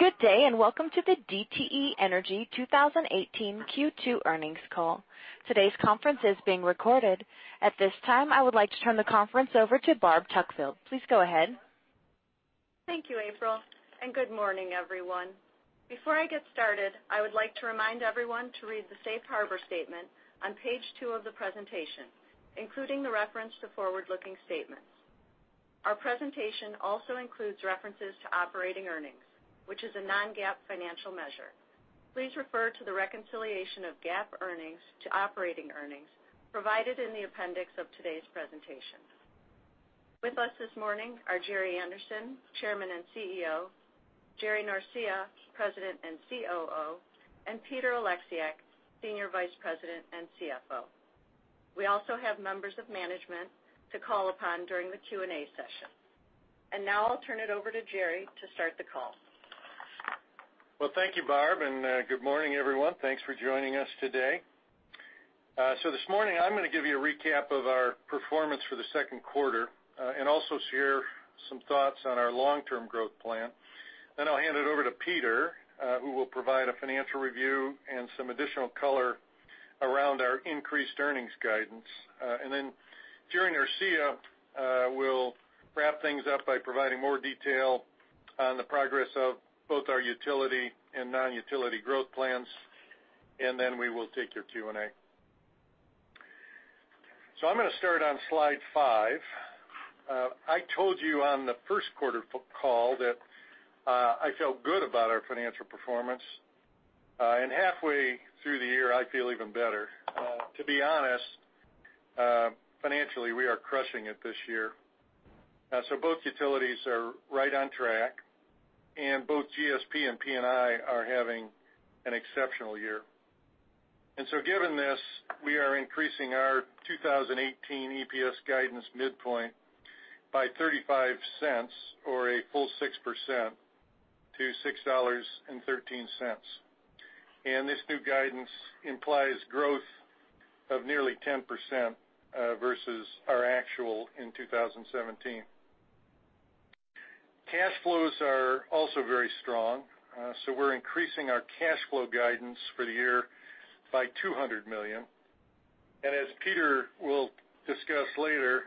Good day, welcome to the DTE Energy 2018 Q2 earnings call. Today's conference is being recorded. At this time, I would like to turn the conference over to Barbara Tuckfield. Please go ahead. Thank you, April, good morning, everyone. Before I get started, I would like to remind everyone to read the safe harbor statement on page two of the presentation, including the reference to forward-looking statements. Our presentation also includes references to operating earnings, which is a non-GAAP financial measure. Please refer to the reconciliation of GAAP earnings to operating earnings provided in the appendix of today's presentation. With us this morning are Gerry Anderson, Chairman and CEO, Jerry Norcia, President and COO, and Peter Oleksiak, Senior Vice President and CFO. We also have members of management to call upon during the Q&A session. Now I'll turn it over to Gerry to start the call. Well, thank you, Barb, good morning, everyone. Thanks for joining us today. This morning, I'm going to give you a recap of our performance for the second quarter, also share some thoughts on our long-term growth plan. Then I'll hand it over to Peter, who will provide a financial review and some additional color around our increased earnings guidance. Jerry Norcia will wrap things up by providing more detail on the progress of both our utility and non-utility growth plans, then we will take your Q&A. I'm going to start on slide five. I told you on the first quarter call that I felt good about our financial performance, halfway through the year, I feel even better. To be honest, financially, we are crushing it this year. Both utilities are right on track, both GSP and PNI are having an exceptional year. Given this, we are increasing our 2018 EPS guidance midpoint by $0.35 or a full 6% to $6.13. This new guidance implies growth of nearly 10% versus our actual in 2017. Cash flows are also very strong, we're increasing our cash flow guidance for the year by $200 million. As Peter will discuss later,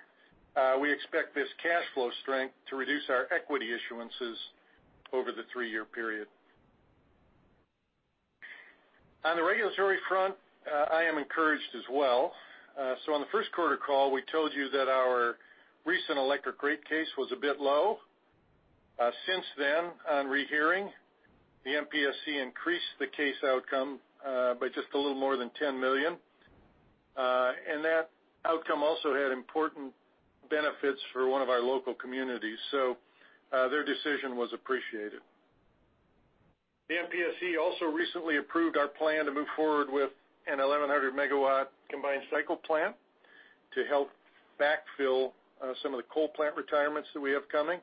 we expect this cash flow strength to reduce our equity issuances over the three-year period. On the regulatory front, I am encouraged as well. On the first quarter call, we told you that our recent electric rate case was a bit low. Since then, on rehearing, the MPSC increased the case outcome by just a little more than $10 million. That outcome also had important benefits for one of our local communities, so their decision was appreciated. The MPSC also recently approved our plan to move forward with an 1,100-megawatt combined cycle plant to help backfill some of the coal plant retirements that we have coming.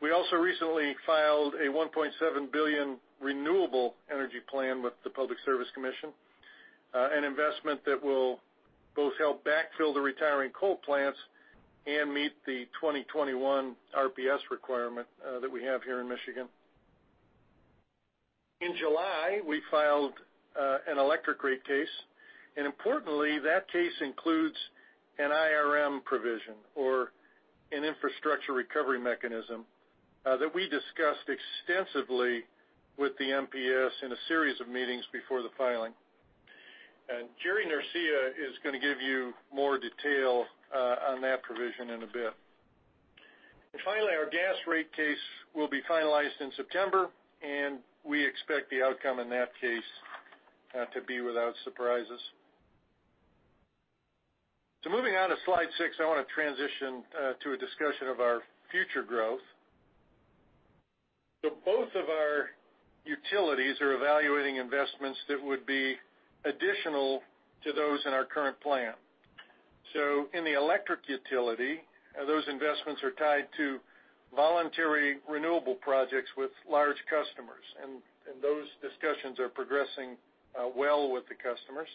We also recently filed a $1.7 billion renewable energy plan with the Public Service Commission, an investment that will both help backfill the retiring coal plants and meet the 2021 RPS requirement that we have here in Michigan. In July, we filed an electric rate case, and importantly, that case includes an IRM provision or an infrastructure recovery mechanism that we discussed extensively with the MPSC in a series of meetings before the filing. Jerry Norcia is going to give you more detail on that provision in a bit. Finally, our gas rate case will be finalized in September, and we expect the outcome in that case to be without surprises. Moving on to slide six, I want to transition to a discussion of our future growth. Both of our utilities are evaluating investments that would be additional to those in our current plan. In the electric utility, those investments are tied to voluntary renewable projects with large customers, and those discussions are progressing well with the customers.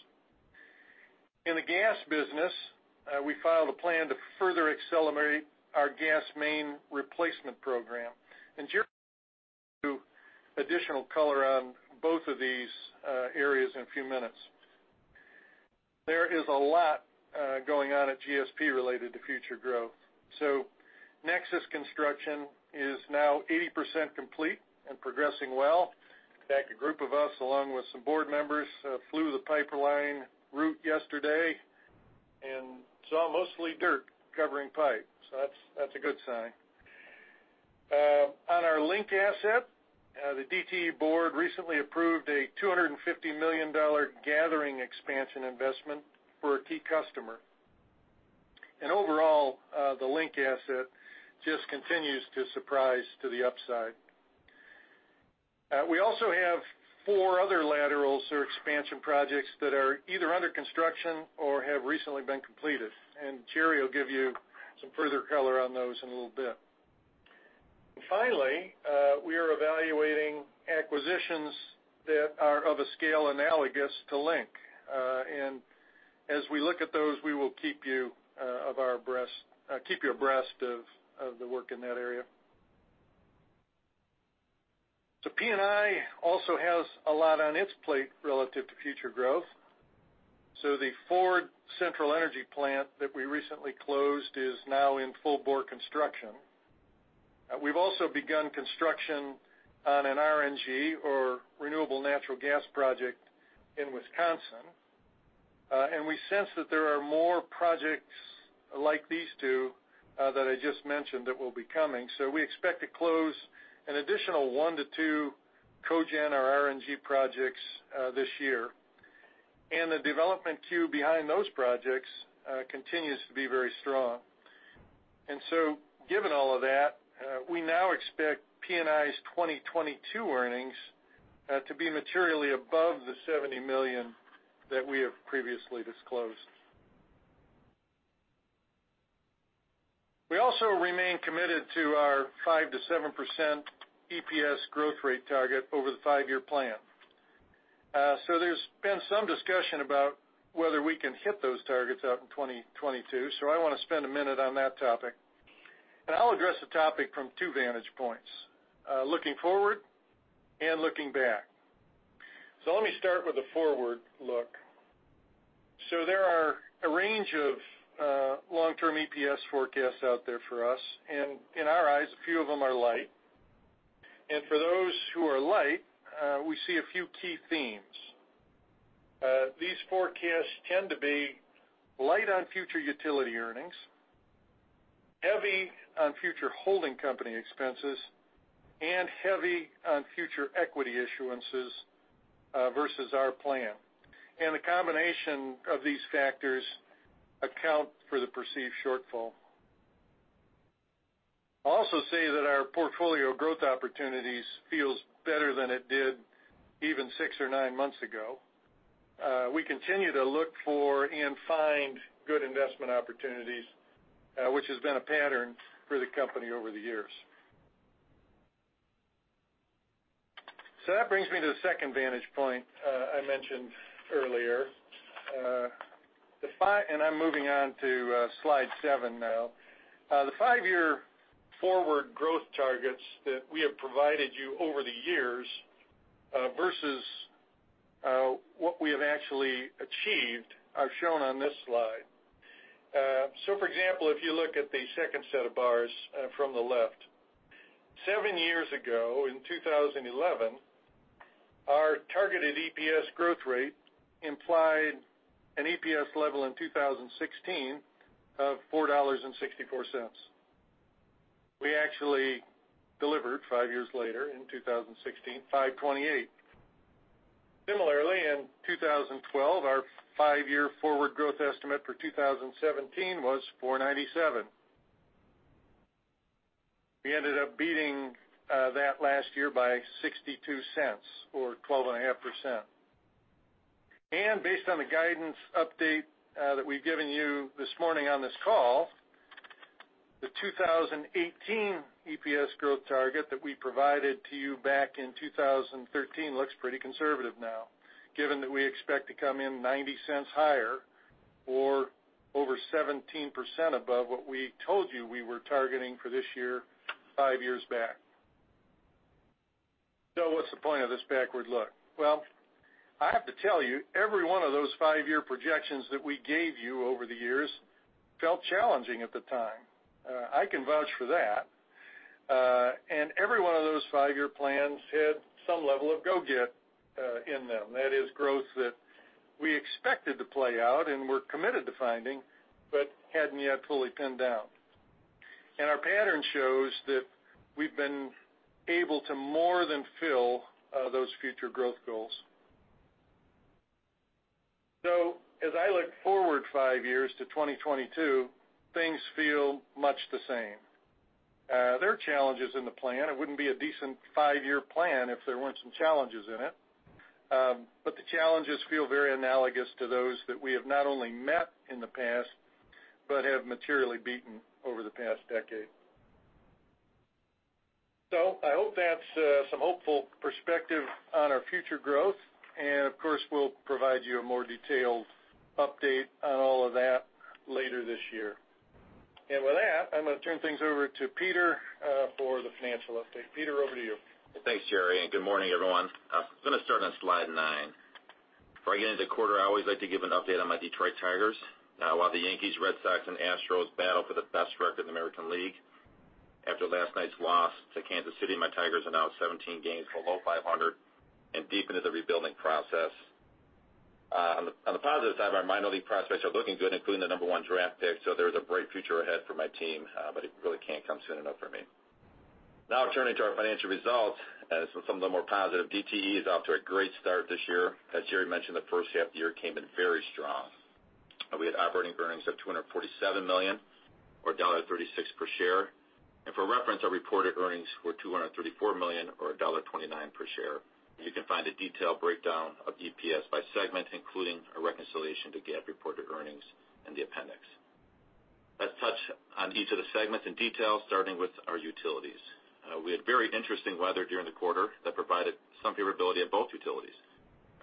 In the gas business, we filed a plan to further accelerate our gas main replacement program. Jerry will give you additional color on both of these areas in a few minutes. There is a lot going on at GSP related to future growth. NEXUS construction is now 80% complete and progressing well. In fact, a group of us, along with some board members, flew the pipeline route yesterday and saw mostly dirt covering pipe. That's a good sign. On our Link asset, the DTE board recently approved a $250 million gathering expansion investment for a key customer. Overall, the Link asset just continues to surprise to the upside. We also have four other laterals or expansion projects that are either under construction or have recently been completed. Jerry will give you some further color on those in a little bit. Finally, we are evaluating acquisitions that are of a scale analogous to Link. As we look at those, we will keep you abreast of the work in that area. PNI also has a lot on its plate relative to future growth. The Ford Central Energy Plant that we recently closed is now in full-bore construction. We've also begun construction on an RNG or Renewable Natural Gas project in Wisconsin. We sense that there are more projects like these two that I just mentioned that will be coming. We expect to close an additional one to two cogen or RNG projects this year. The development queue behind those projects continues to be very strong. Given all of that, we now expect PNI's 2022 earnings to be materially above the $70 million that we have previously disclosed. We also remain committed to our 5%-7% EPS growth rate target over the five-year plan. There's been some discussion about whether we can hit those targets out in 2022. I want to spend a minute on that topic. I'll address the topic from two vantage points, looking forward and looking back. Let me start with the forward look. There are a range of long-term EPS forecasts out there for us, in our eyes, a few of them are light. For those who are light, we see a few key themes. These forecasts tend to be light on future utility earnings, heavy on future holding company expenses, and heavy on future equity issuances, versus our plan. The combination of these factors account for the perceived shortfall. I'll also say that our portfolio growth opportunities feels better than it did even six or nine months ago. We continue to look for and find good investment opportunities, which has been a pattern for the company over the years. That brings me to the second vantage point I mentioned earlier. I'm moving on to slide seven now. The five-year forward growth targets that we have provided you over the years versus what we have actually achieved are shown on this slide. For example, if you look at the second set of bars from the left, seven years ago, in 2011, our targeted EPS growth rate implied an EPS level in 2016 of $4.64. We actually delivered, five years later in 2016, $5.28. Similarly, in 2012, our five-year forward growth estimate for 2017 was $4.97. We ended up beating that last year by $0.62 or 12.5%. Based on the guidance update that we've given you this morning on this call, the 2018 EPS growth target that we provided to you back in 2013 looks pretty conservative now, given that we expect to come in $0.90 higher or over 17% above what we told you we were targeting for this year, five years back. What's the point of this backward look? Well, I have to tell you, every one of those five-year projections that we gave you over the years felt challenging at the time. I can vouch for that. Every one of those five-year plans had some level of go-get in them. That is growth that we expected to play out and were committed to finding, but hadn't yet fully pinned down. Our pattern shows that we've been able to more than fill those future growth goals. As I look forward five years to 2022, things feel much the same. There are challenges in the plan. It wouldn't be a decent five-year plan if there weren't some challenges in it. The challenges feel very analogous to those that we have not only met in the past, but have materially beaten over the past decade. I hope that's some hopeful perspective on our future growth. Of course, we'll provide you a more detailed update on all of that later this year. With that, I'm going to turn things over to Peter for the financial update. Peter, over to you. Well, thanks, Jerry, good morning, everyone. I'm going to start on slide nine. Before I get into the quarter, I always like to give an update on my Detroit Tigers. While the Yankees, Red Sox, and Astros battle for the best record in the American League, after last night's loss to Kansas City, my Tigers are now 17 games below 500 and deep into the rebuilding process. On the positive side, my minor league prospects are looking good, including the number one draft pick, so there is a bright future ahead for my team, but it really can't come soon enough for me. Turning to our financial results, so some of the more positive. DTE is off to a great start this year. As Jerry mentioned, the first half of the year came in very strong. We had operating earnings of $247 million or $1.36 per share. For reference, our reported earnings were $234 million or $1.29 per share. You can find a detailed breakdown of EPS by segment, including a reconciliation to GAAP reported earnings in the appendix. Each of the segments in detail, starting with our utilities. We had very interesting weather during the quarter that provided some favorability at both utilities.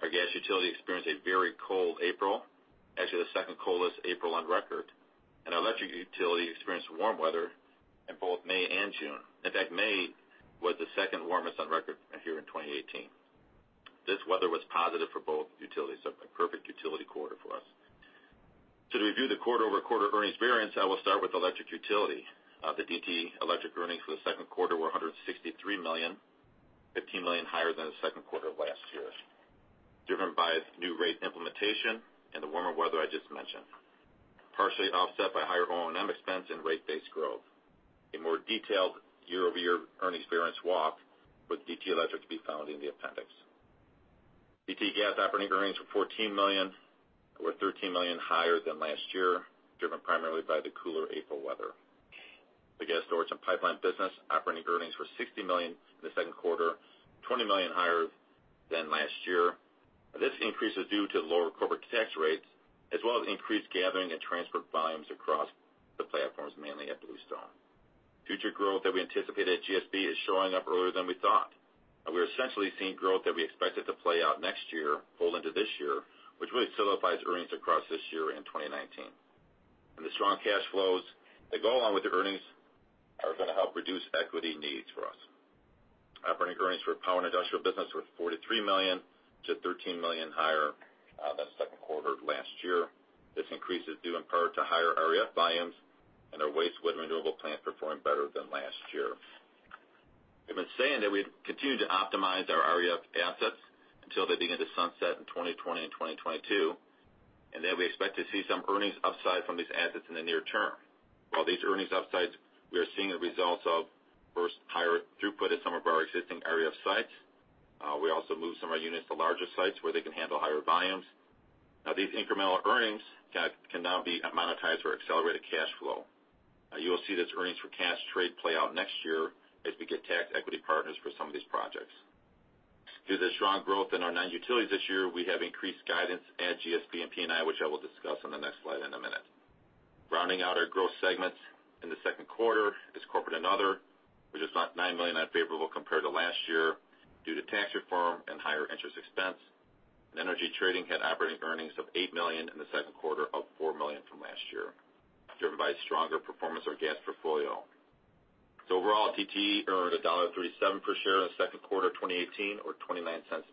Our gas utility experienced a very cold April, actually, the second coldest April on record, and our electric utility experienced warm weather in both May and June. In fact, May was the second warmest on record here in 2018. This weather was positive for both utilities, so a perfect utility quarter for us. To review the quarter-over-quarter earnings variance, I will start with electric utility. The DTE Electric earnings for the second quarter were $163 million, $15 million higher than the second quarter of last year, driven by new rate implementation and the warmer weather I just mentioned, partially offset by higher O&M expense and rate-based growth. A more detailed year-over-year earnings variance walk with DTE Electric can be found in the appendix. DTE Gas operating earnings were $14 million, or $13 million higher than last year, driven primarily by the cooler April weather. The gas storage and pipeline business operating earnings were $60 million in the second quarter, $20 million higher than last year. This increase is due to the lower corporate tax rates, as well as increased gathering and transport volumes across the platforms, mainly at Bluestone. Future growth that we anticipate at GSP is showing up earlier than we thought. We're essentially seeing growth that we expected to play out next year pull into this year, which really solidifies earnings across this year and 2019. The strong cash flows that go along with the earnings are going to help reduce equity needs for us. Operating earnings for Power and Industrial Projects were $43 million to $13 million higher than the second quarter of last year. This increase is due in part to higher REF volumes and our waste wood renewable plant performing better than last year. We've been saying that we've continued to optimize our REF assets until they begin to sunset in 2020 and 2022, and that we expect to see some earnings upside from these assets in the near term. While these earnings upsides, we are seeing the results of, first, higher throughput at some of our existing REF sites. We also moved some of our units to larger sites where they can handle higher volumes. These incremental earnings can now be monetized for accelerated cash flow. You will see this earnings for cash trade play out next year as we get tax equity partners for some of these projects. Due to the strong growth in our non-utilities this year, we have increased guidance at GSP and PNI, which I will discuss on the next slide in a minute. Rounding out our growth segments in the second quarter is corporate and other, which is $9 million unfavorable compared to last year due to tax reform and higher interest expense. Energy Trading had operating earnings of $8 million in the second quarter of $4 million from last year, driven by stronger performance of our gas portfolio. Overall, DTE earned $1.37 per share in the second quarter of 2018, or $0.29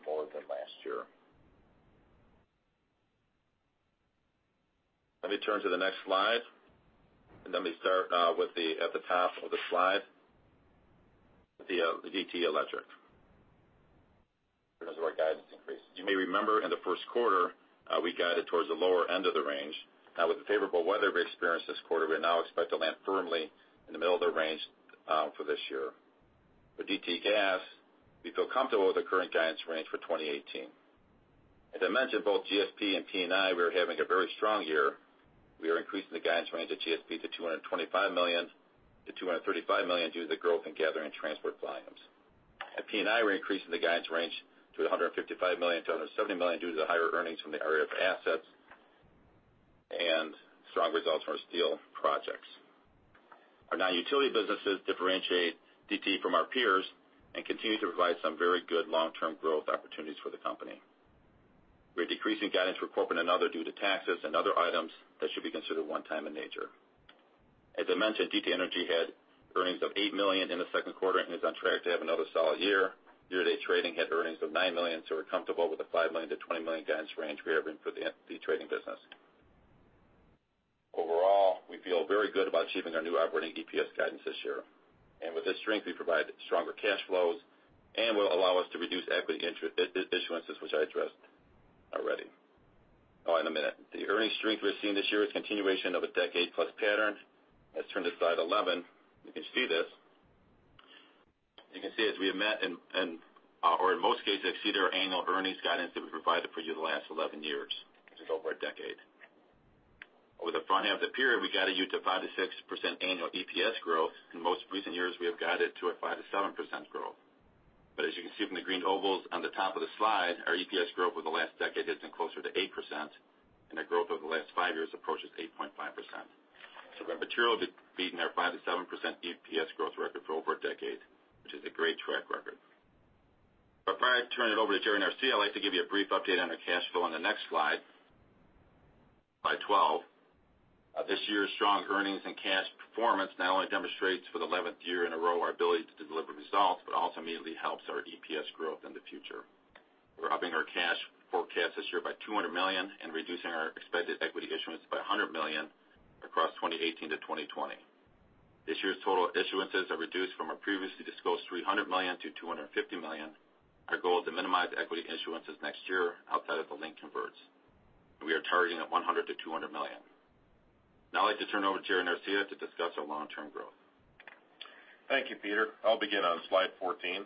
more than last year. Let me turn to the next slide. Let me start at the top of the slide, the DTE Electric. As our guidance increases. You may remember in the first quarter, we guided towards the lower end of the range. With the favorable weather we experienced this quarter, we now expect to land firmly in the middle of the range for this year. With DTE Gas, we feel comfortable with the current guidance range for 2018. As I mentioned, both GSP and PNI, we are having a very strong year. We are increasing the guidance range at GSP to $225 million-$235 million due to the growth in gathering and transport volumes. At PNI, we're increasing the guidance range to $155 million-$170 million due to the higher earnings from the area of assets and strong results from our steel projects. Our non-utility businesses differentiate DTE from our peers and continue to provide some very good long-term growth opportunities for the company. We're decreasing guidance for corporate and other due to taxes and other items that should be considered one-time in nature. As I mentioned, DTE Energy had earnings of $8 million in the second quarter and is on track to have another solid year. Year-to-date trading had earnings of $9 million. We're comfortable with the $5 million-$20 million guidance range we are bringing for the trading business. Overall, we feel very good about achieving our new operating EPS guidance this year. With this strength, we provide stronger cash flows and will allow us to reduce equity issuances, which I addressed already. The earnings strength we're seeing this year is continuation of a decade-plus pattern. Let's turn to slide 11. You can see this. You can see as we have met in, or in most cases exceeded, our annual earnings guidance that we provided for you the last 11 years. This is over a decade. Over the front half of the period, we guided you to 5%-6% annual EPS growth. In most recent years, we have guided to a 5%-7% growth. As you can see from the green ovals on the top of the slide, our EPS growth over the last decade has been closer to 8%, and our growth over the last five years approaches 8.5%. We have materially beaten our 5%-7% EPS growth record for over a decade, which is a great track record. Before I turn it over to Gerry Norcia, I would like to give you a brief update on our cash flow on the next slide 12. This year's strong earnings and cash performance not only demonstrates for the 11th year in a row our ability to deliver results, but also immediately helps our EPS growth in the future. We are upping our cash forecast this year by $200 million and reducing our expected equity issuance by $100 million across 2018-2020. This year's total issuances are reduced from our previously disclosed $300 million to $250 million. Our goal is to minimize equity issuances next year outside of the LINK converts. We are targeting at $100 million-$200 million. Now, I would like to turn over to Gerry Norcia to discuss our long-term growth. Thank you, Peter. I will begin on slide 14.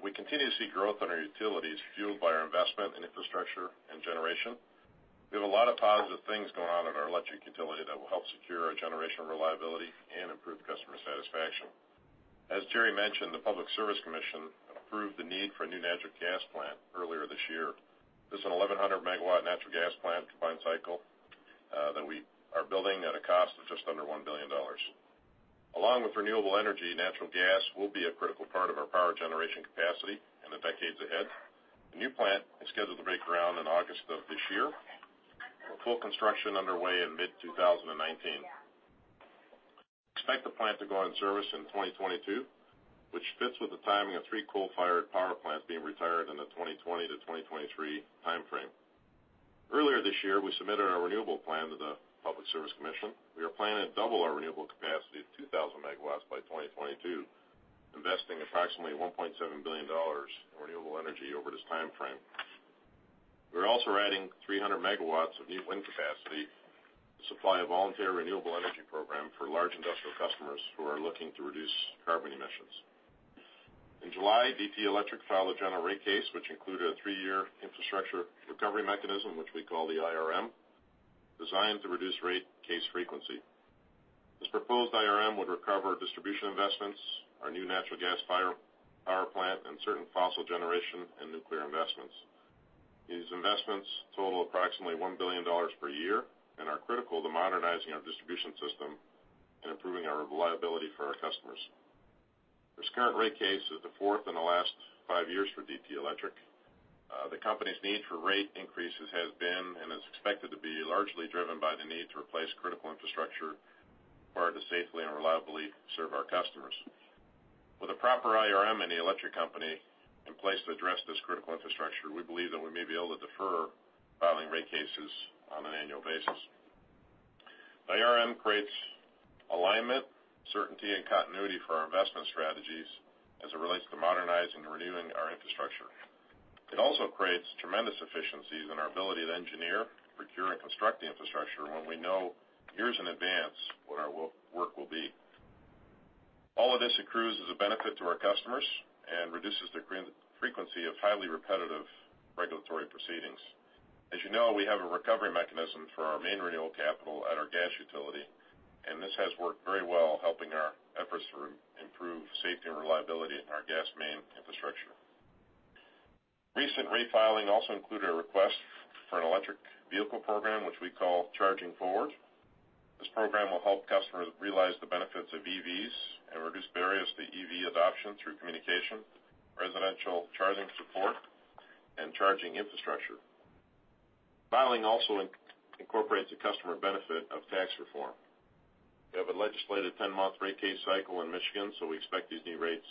We continue to see growth in our utilities fueled by our investment in infrastructure and generation. We have a lot of positive things going on in our electric utility that will help secure our generation reliability and improve. As Gerry mentioned, the Public Service Commission approved the need for a new natural gas plant earlier this year. This is an 1,100-megawatt natural gas plant combined cycle, that we are building at a cost of just under $1 billion. Along with renewable energy, natural gas will be a critical part of our power generation capacity in the decades ahead. The new plant is scheduled to break ground in August of this year, with full construction underway in mid-2019. Expect the plant to go in service in 2022, which fits with the timing of three coal-fired power plants being retired in the 2020-2023 timeframe. Earlier this year, we submitted our renewable plan to the Public Service Commission. We are planning to double our renewable capacity to 2,000 megawatts by 2022, investing approximately $1.7 billion in renewable energy over this timeframe. We are also adding 300 megawatts of new wind capacity to supply a voluntary renewable energy program for large industrial customers who are looking to reduce carbon emissions. In July, DTE Electric filed a general rate case, which included a three-year infrastructure recovery mechanism, which we call the IRM, designed to reduce rate case frequency. This proposed IRM would recover distribution investments, our new natural gas power plant, and certain fossil generation and nuclear investments. These investments total approximately $1 billion per year and are critical to modernizing our distribution system and improving our reliability for our customers. This current rate case is the fourth in the last five years for DTE Electric. The company's need for rate increases has been, and is expected to be, largely driven by the need to replace critical infrastructure in order to safely and reliably serve our customers. With a proper IRM in the electric company in place to address this critical infrastructure, we believe that we may be able to defer filing rate cases on an annual basis. The IRM creates alignment, certainty, and continuity for our investment strategies as it relates to modernizing and renewing our infrastructure. It also creates tremendous efficiencies in our ability to engineer, procure, and construct the infrastructure when we know years in advance what our work will be. All of this accrues as a benefit to our customers and reduces the frequency of highly repetitive regulatory proceedings. As you know, we have a recovery mechanism for our main renewal capital at our gas utility, and this has worked very well helping our efforts to improve safety and reliability in our gas main infrastructure. Recent refiling also included a request for an electric vehicle program, which we call Charging Forward. This program will help customers realize the benefits of EVs and reduce barriers to EV adoption through communication, residential charging support, and charging infrastructure. Filing also incorporates a customer benefit of tax reform. We have a legislated 10-month rate case cycle in Michigan, so we expect these new rates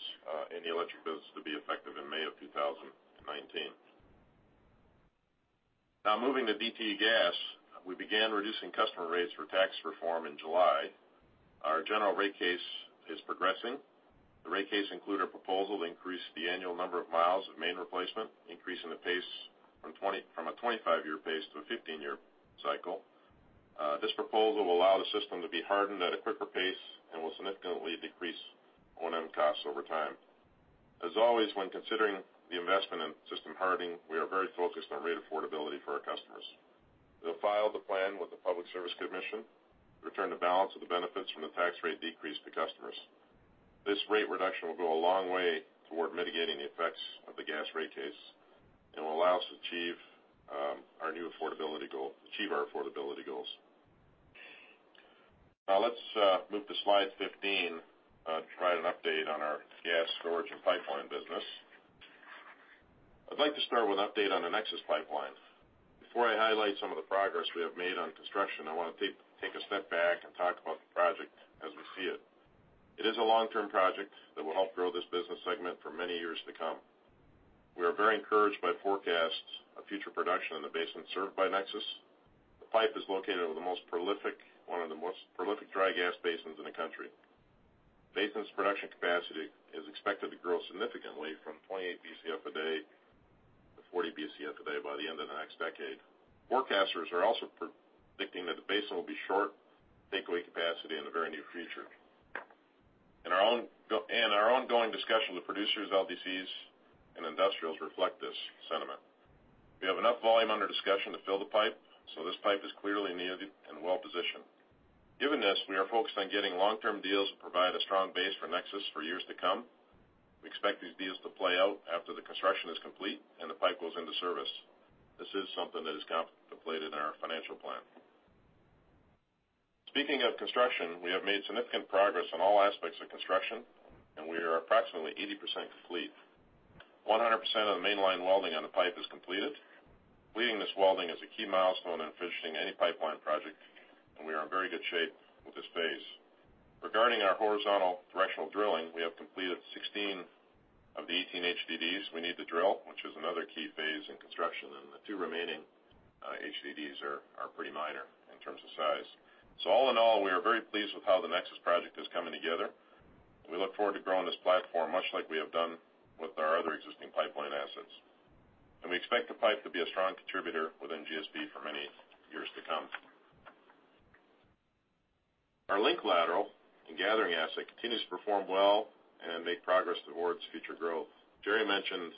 in the electric business to be effective in May of 2019. Now, moving to DTE Gas, we began reducing customer rates for tax reform in July. Our general rate case is progressing. The rate case included a proposal to increase the annual number of miles of main replacement, increasing the pace from a 25-year pace to a 15-year cycle. This proposal will allow the system to be hardened at a quicker pace and will significantly decrease O&M costs over time. As always, when considering the investment in system hardening, we are very focused on rate affordability for our customers. We'll file the plan with the Public Service Commission to return the balance of the benefits from the tax rate decrease to customers. This rate reduction will go a long way toward mitigating the effects of the gas rate case and will allow us to achieve our affordability goals. Now let's move to slide 15 to provide an update on our Gas Storage and Pipelines business. I'd like to start with an update on the NEXUS Pipeline. Before I highlight some of the progress we have made on construction, I want to take a step back and talk about the project as we see it. It is a long-term project that will help grow this business segment for many years to come. We are very encouraged by forecasts of future production in the basin served by NEXUS. The pipe is located over one of the most prolific dry gas basins in the country. The basin's production capacity is expected to grow significantly from 28 Bcf a day-40 Bcf a day by the end of the next decade. Forecasters are also predicting that the basin will be short takeaway capacity in the very near future. Our ongoing discussions with producers, LDCs, and industrials reflect this sentiment. We have enough volume under discussion to fill the pipe, this pipe is clearly needed and well-positioned. Given this, we are focused on getting long-term deals that provide a strong base for NEXUS Gas Transmission for years to come. We expect these deals to play out after the construction is complete and the pipe goes into service. This is something that is contemplated in our financial plan. Speaking of construction, we have made significant progress on all aspects of construction, and we are approximately 80% complete. 100% of the mainline welding on the pipe is completed. Completing this welding is a key milestone in finishing any pipeline project, and we are in very good shape with this phase. Regarding our horizontal directional drilling, we have completed 16 of the 18 HDDs we need to drill, which is another key phase in construction, and the two remaining HDDs are pretty minor in terms of size. All in all, we are very pleased with how the NEXUS project is coming together, and we look forward to growing this platform much like we have done with our other existing pipeline assets. And we expect the pipe to be a strong contributor within GSP for many years to come. Our Link Lateral and Gathering asset continues to perform well and make progress towards future growth. Jerry mentioned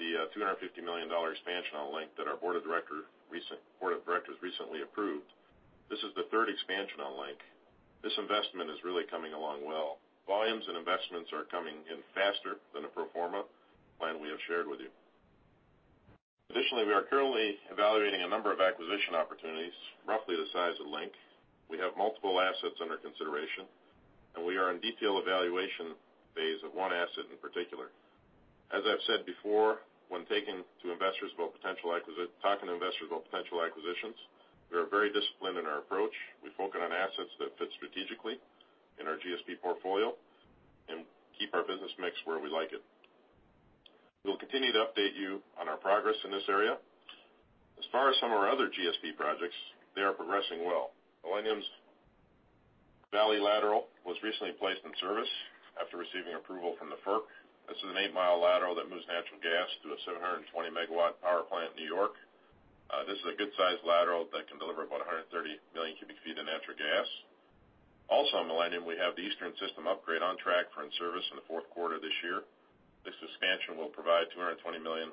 the $250 million expansion on Link that our board of directors recently approved. This is the third expansion on Link. This investment is really coming along well. Volumes and investments are coming in faster than the pro forma plan we have shared with you. Additionally, we are currently evaluating a number of acquisition opportunities, roughly the size of Link. We have multiple assets under consideration, and we are in detailed evaluation phase of one asset in particular. As I've said before, when talking to investors about potential acquisitions, we are very disciplined in our approach. We focus on assets that fit strategically in our GSP portfolio and keep our business mix where we like it. We will continue to update you on our progress in this area. As far as some of our other GSP projects, they are progressing well. Millennium's Valley Lateral Pipeline was recently placed in service after receiving approval from the FERC. This is an 8-mile lateral that moves natural gas to a 720-megawatt power plant in New York. This is a good-sized lateral that can deliver about 130 million cubic feet of natural gas. On Millennium Pipeline, we have the Eastern System upgrade on track for in-service in the fourth quarter of this year. This expansion will provide 220 million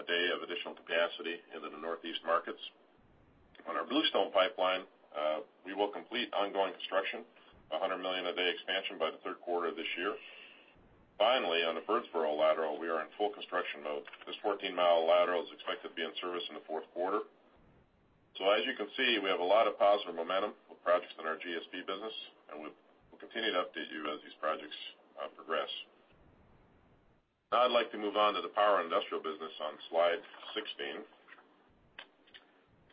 a day of additional capacity into the Northeast markets. On our Bluestone pipeline, we will complete ongoing construction, 100 million a day expansion by the third quarter of this year. On the Birdsboro Pipeline, we are in full construction mode. This 14-mile lateral is expected to be in service in the fourth quarter. As you can see, we have a lot of positive momentum with projects in our GSP business, and we'll continue to update you as these projects progress. I'd like to move on to the Power and Industrial Projects business on slide 16.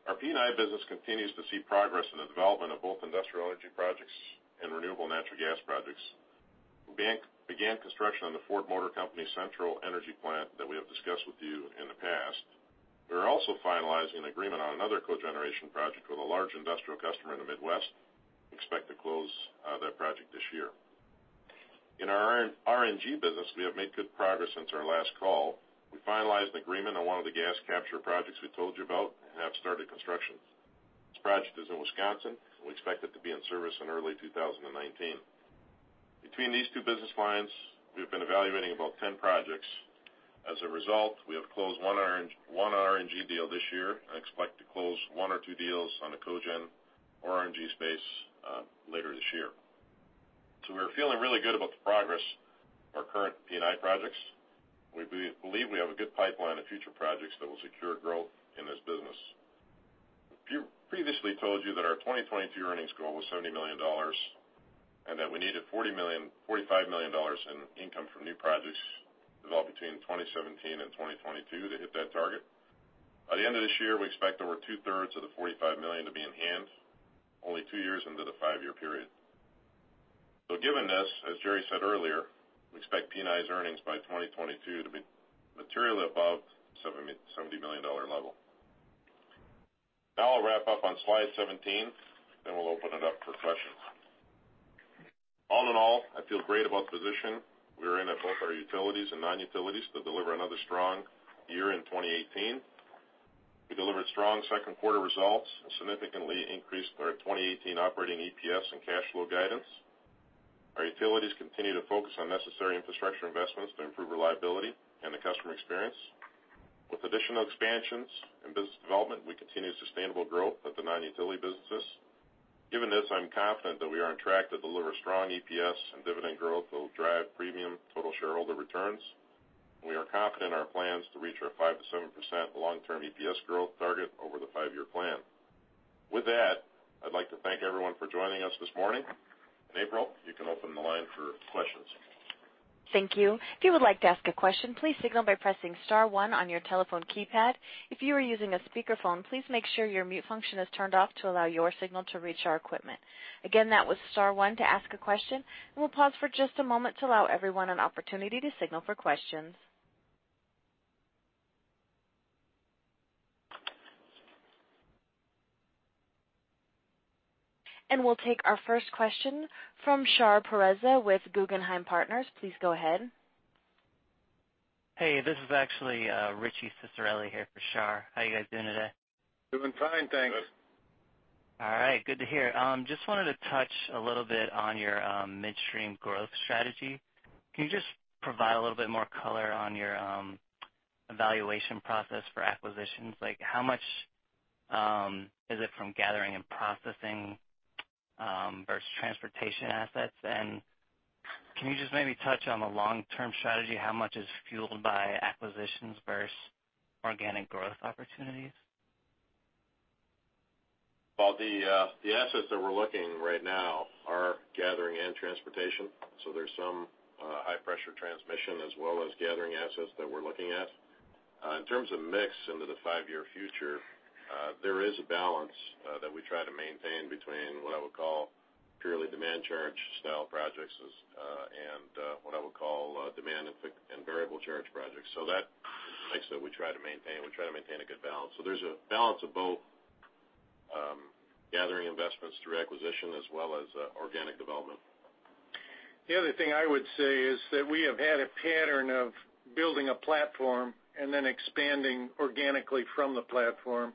Our P&I business continues to see progress in the development of both industrial energy projects and Renewable Natural Gas projects. We began construction on the Ford Motor Company Central Energy Plant that we have discussed with you in the past. We are also finalizing an agreement on another cogeneration project with a large industrial customer in the Midwest. We expect to close that project this year. In our RNG business, we have made good progress since our last call. We finalized an agreement on one of the gas capture projects we told you about and have started construction. This project is in Wisconsin, and we expect it to be in service in early 2019. Between these two business lines, we've been evaluating about 10 projects. As a result, we have closed one RNG deal this year and expect to close one or two deals on the cogen or RNG space later this year. We're feeling really good about the progress of our current P&I projects. We believe we have a good pipeline of future projects that will secure growth in this business. We previously told you that our 2022 earnings goal was $70 million and that we needed $45 million in income from new projects developed between 2017 and 2022 to hit that target. By the end of this year, we expect over two-thirds of the $45 million to be in hand, only two years into the five-year period. Given this, as Gerry said earlier, we expect P&I's earnings by 2022 to be materially above $70 million level. I'll wrap up on slide 17. We'll open it up for questions. All in all, I feel great about the position we are in at both our utilities and non-utilities to deliver another strong year in 2018. We delivered strong second quarter results and significantly increased our 2018 operating EPS and cash flow guidance. Our utilities continue to focus on necessary infrastructure investments to improve reliability and the customer experience. With additional expansions in business development, we continue sustainable growth with the non-utility businesses. Given this, I'm confident that we are on track to deliver strong EPS and dividend growth that will drive premium total shareholder returns. We are confident in our plans to reach our 5%-7% long-term EPS growth target over the five-year plan. With that, I'd like to thank everyone for joining us this morning. April, you can open the line for questions. Thank you. If you would like to ask a question, please signal by pressing star one on your telephone keypad. If you are using a speakerphone, please make sure your mute function is turned off to allow your signal to reach our equipment. Again, that was star one to ask a question. We will pause for just a moment to allow everyone an opportunity to signal for questions. We'll take our first question from Shahriar Pourreza with Guggenheim Partners. Please go ahead. Hey, this is actually Richard Ciciarelli here for Shar. How are you guys doing today? Doing fine, thanks. Good. All right. Good to hear. Just wanted to touch a little bit on your midstream growth strategy. Can you just provide a little bit more color on your evaluation process for acquisitions? How much is it from gathering and processing versus transportation assets? Can you just maybe touch on the long-term strategy, how much is fueled by acquisitions versus organic growth opportunities? Well, the assets that we're looking right now are gathering and transportation. There's some high-pressure transmission as well as gathering assets that we're looking at. In terms of mix into the five-year future, there is a balance that we try to maintain between what I would call purely demand charge style projects and what I would call demand and variable charge projects. That is a mix that we try to maintain. We try to maintain a good balance. There's a balance of both gathering investments through acquisition as well as organic development. The other thing I would say is that we have had a pattern of building a platform and then expanding organically from the platform.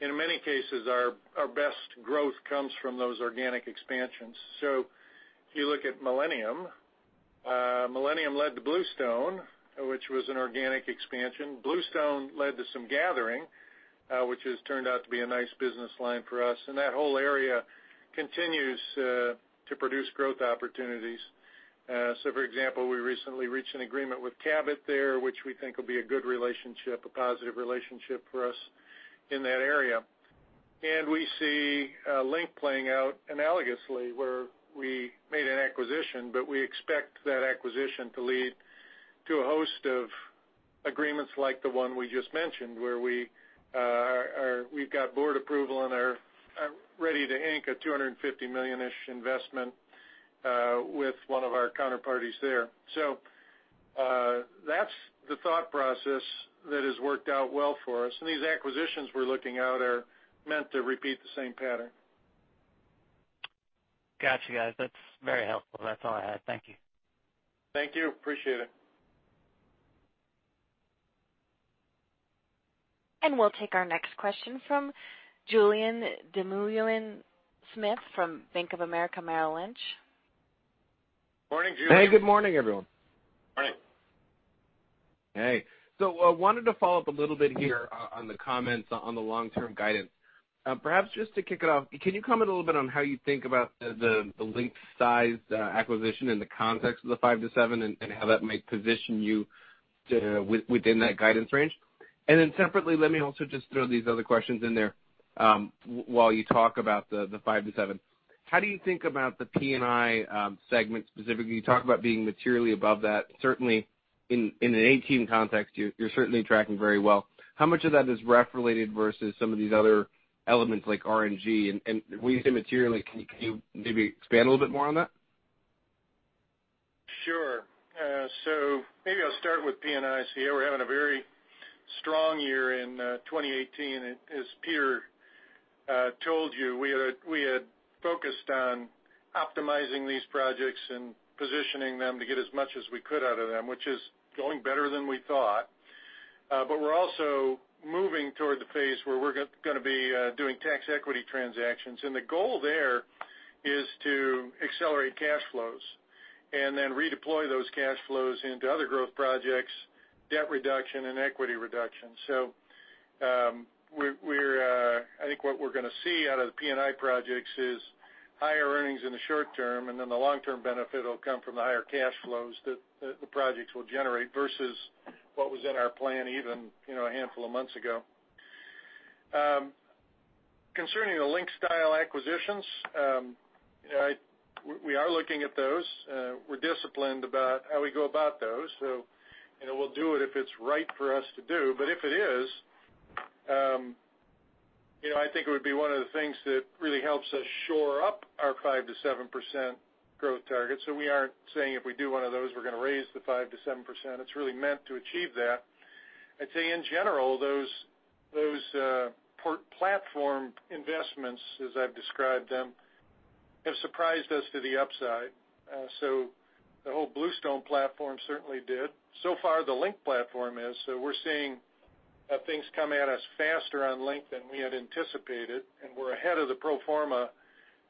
In many cases, our best growth comes from those organic expansions. If you look at Millennium led to Bluestone, which was an organic expansion. Bluestone led to some gathering, which has turned out to be a nice business line for us. That whole area continues to produce growth opportunities. For example, we recently reached an agreement with Cabot there, which we think will be a good relationship, a positive relationship for us in that area. We see Link playing out analogously where we made an acquisition, but we expect that acquisition to lead to a host of agreements like the one we just mentioned, where we've got board approval and are ready to ink a $250 million-ish investment with one of our counterparties there. That's the thought process that has worked out well for us. These acquisitions we're looking out are meant to repeat the same pattern. Got you guys. That's very helpful. That's all I had. Thank you. Thank you. Appreciate it. We'll take our next question from Julien Dumoulin-Smith from Bank of America Merrill Lynch. Morning, Julien. Hey, good morning, everyone. Morning. Hey. I wanted to follow up a little bit here on the comments on the long-term guidance. Perhaps just to kick it off, can you comment a little bit on how you think about the Link size acquisition in the context of the 5 to 7 and how that might position you within that guidance range? Then separately, let me also just throw these other questions in there while you talk about the 5 to 7. How do you think about the PNI segment specifically? You talk about being materially above that. Certainly in a 2018 context, you're certainly tracking very well. How much of that is REF related versus some of these other elements like RNG? And when you say materially, can you maybe expand a little bit more on that? Sure. Maybe I'll start with PNI. We're having a very strong year in 2018. As Peter told you, we had focused on optimizing these projects and positioning them to get as much as we could out of them, which is going better than we thought. We're also moving toward the phase where we're going to be doing tax equity transactions. The goal there is to accelerate cash flows and then redeploy those cash flows into other growth projects, debt reduction and equity reduction. I think what we're going to see out of the PNI projects is higher earnings in the short term, and then the long-term benefit will come from the higher cash flows that the projects will generate versus what was in our plan even a handful of months ago. Concerning the Link-style acquisitions, we are looking at those. We're disciplined about how we go about those. We'll do it if it's right for us to do. If it is, I think it would be one of the things that really helps us shore up our 5% to 7% growth target. We aren't saying if we do one of those, we're going to raise the 5% to 7%. It's really meant to achieve that. I'd say in general, those platform investments, as I've described them, have surprised us to the upside. The whole Bluestone platform certainly did. So far the Link platform is. We're seeing things come at us faster on Link than we had anticipated, and we're ahead of the pro forma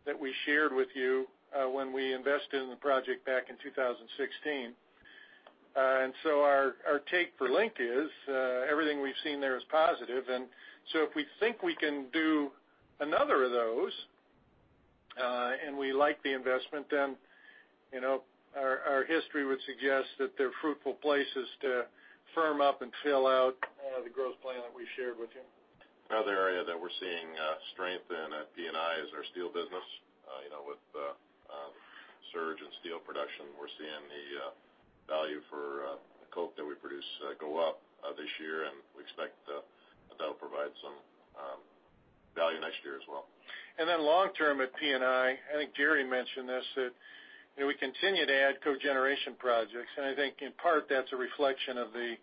that we shared with you when we invested in the project back in 2016. Our take for Link is everything we've seen there is positive. If we think we can do another of those, and we like the investment, then our history would suggest that they're fruitful places to firm up and fill out the growth plan that we shared with you. Another area that we're seeing strength in at PNI is our steel business. With the surge in steel production, we're seeing the value for coke that we produce go up this year, and we expect that that'll provide some value next year as well. Long term at PNI, I think Jerry mentioned this, that we continue to add cogeneration projects. I think in part that's a reflection of the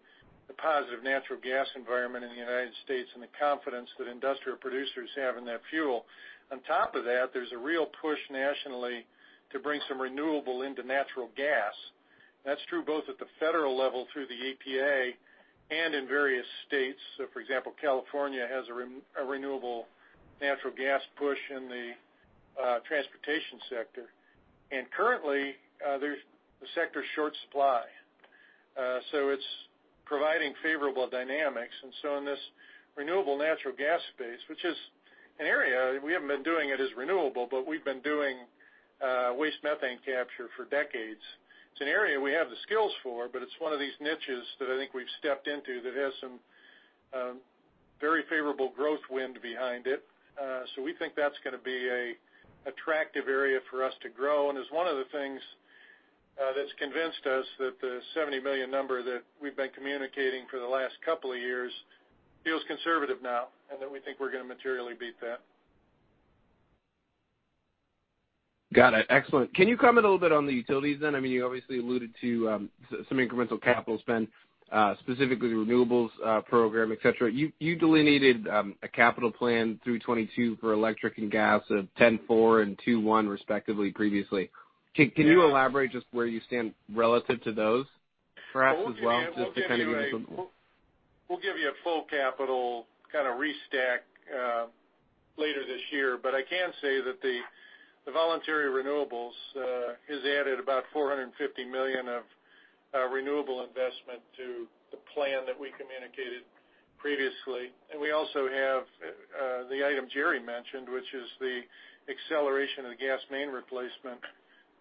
positive natural gas environment in the U.S. and the confidence that industrial producers have in that fuel. On top of that, there's a real push nationally to bring some Renewable Natural Gas into natural gas. That's true both at the federal level through the EPA and in various states. For example, California has a Renewable Natural Gas push in the transportation sector. Currently, the sector is short supply. It's providing favorable dynamics. In this Renewable Natural Gas space, which is an area we haven't been doing it as renewable, but we've been doing waste methane capture for decades. It's an area we have the skills for, but it's one of these niches that I think we've stepped into that has some very favorable growth wind behind it. We think that's going to be an attractive area for us to grow and is one of the things that's convinced us that the $70 million number that we've been communicating for the last couple of years feels conservative now and that we think we're going to materially beat that. Got it. Excellent. Can you comment a little bit on the utilities? You obviously alluded to some incremental capital spend, specifically the renewables program, et cetera. You delineated a capital plan through 2022 for electric and gas of $10.4 and $2.1 respectively previously. Can you elaborate just where you stand relative to those perhaps as well, just to kind of give us a We'll give you a full capital kind of restack later this year. I can say that the voluntary renewables has added about $450 million of renewable investment to the plan that we communicated previously. We also have the item Jerry mentioned, which is the acceleration of the gas main replacement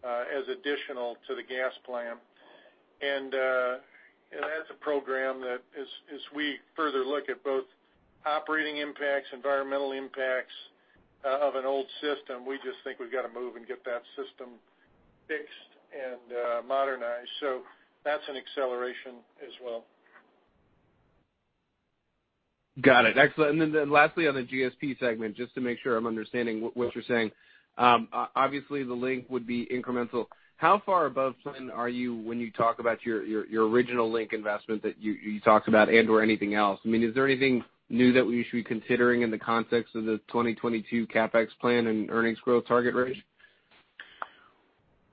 as additional to the gas plan. That's a program that as we further look at both operating impacts, environmental impacts of an old system, we just think we've got to move and get that system fixed and modernized. That's an acceleration as well. Got it. Excellent. Lastly on the GSP segment, just to make sure I'm understanding what you're saying. Obviously, the Link would be incremental. How far above plan are you when you talk about your original Link investment that you talked about and/or anything else? I mean, is there anything new that we should be considering in the context of the 2022 CapEx plan and earnings growth target range?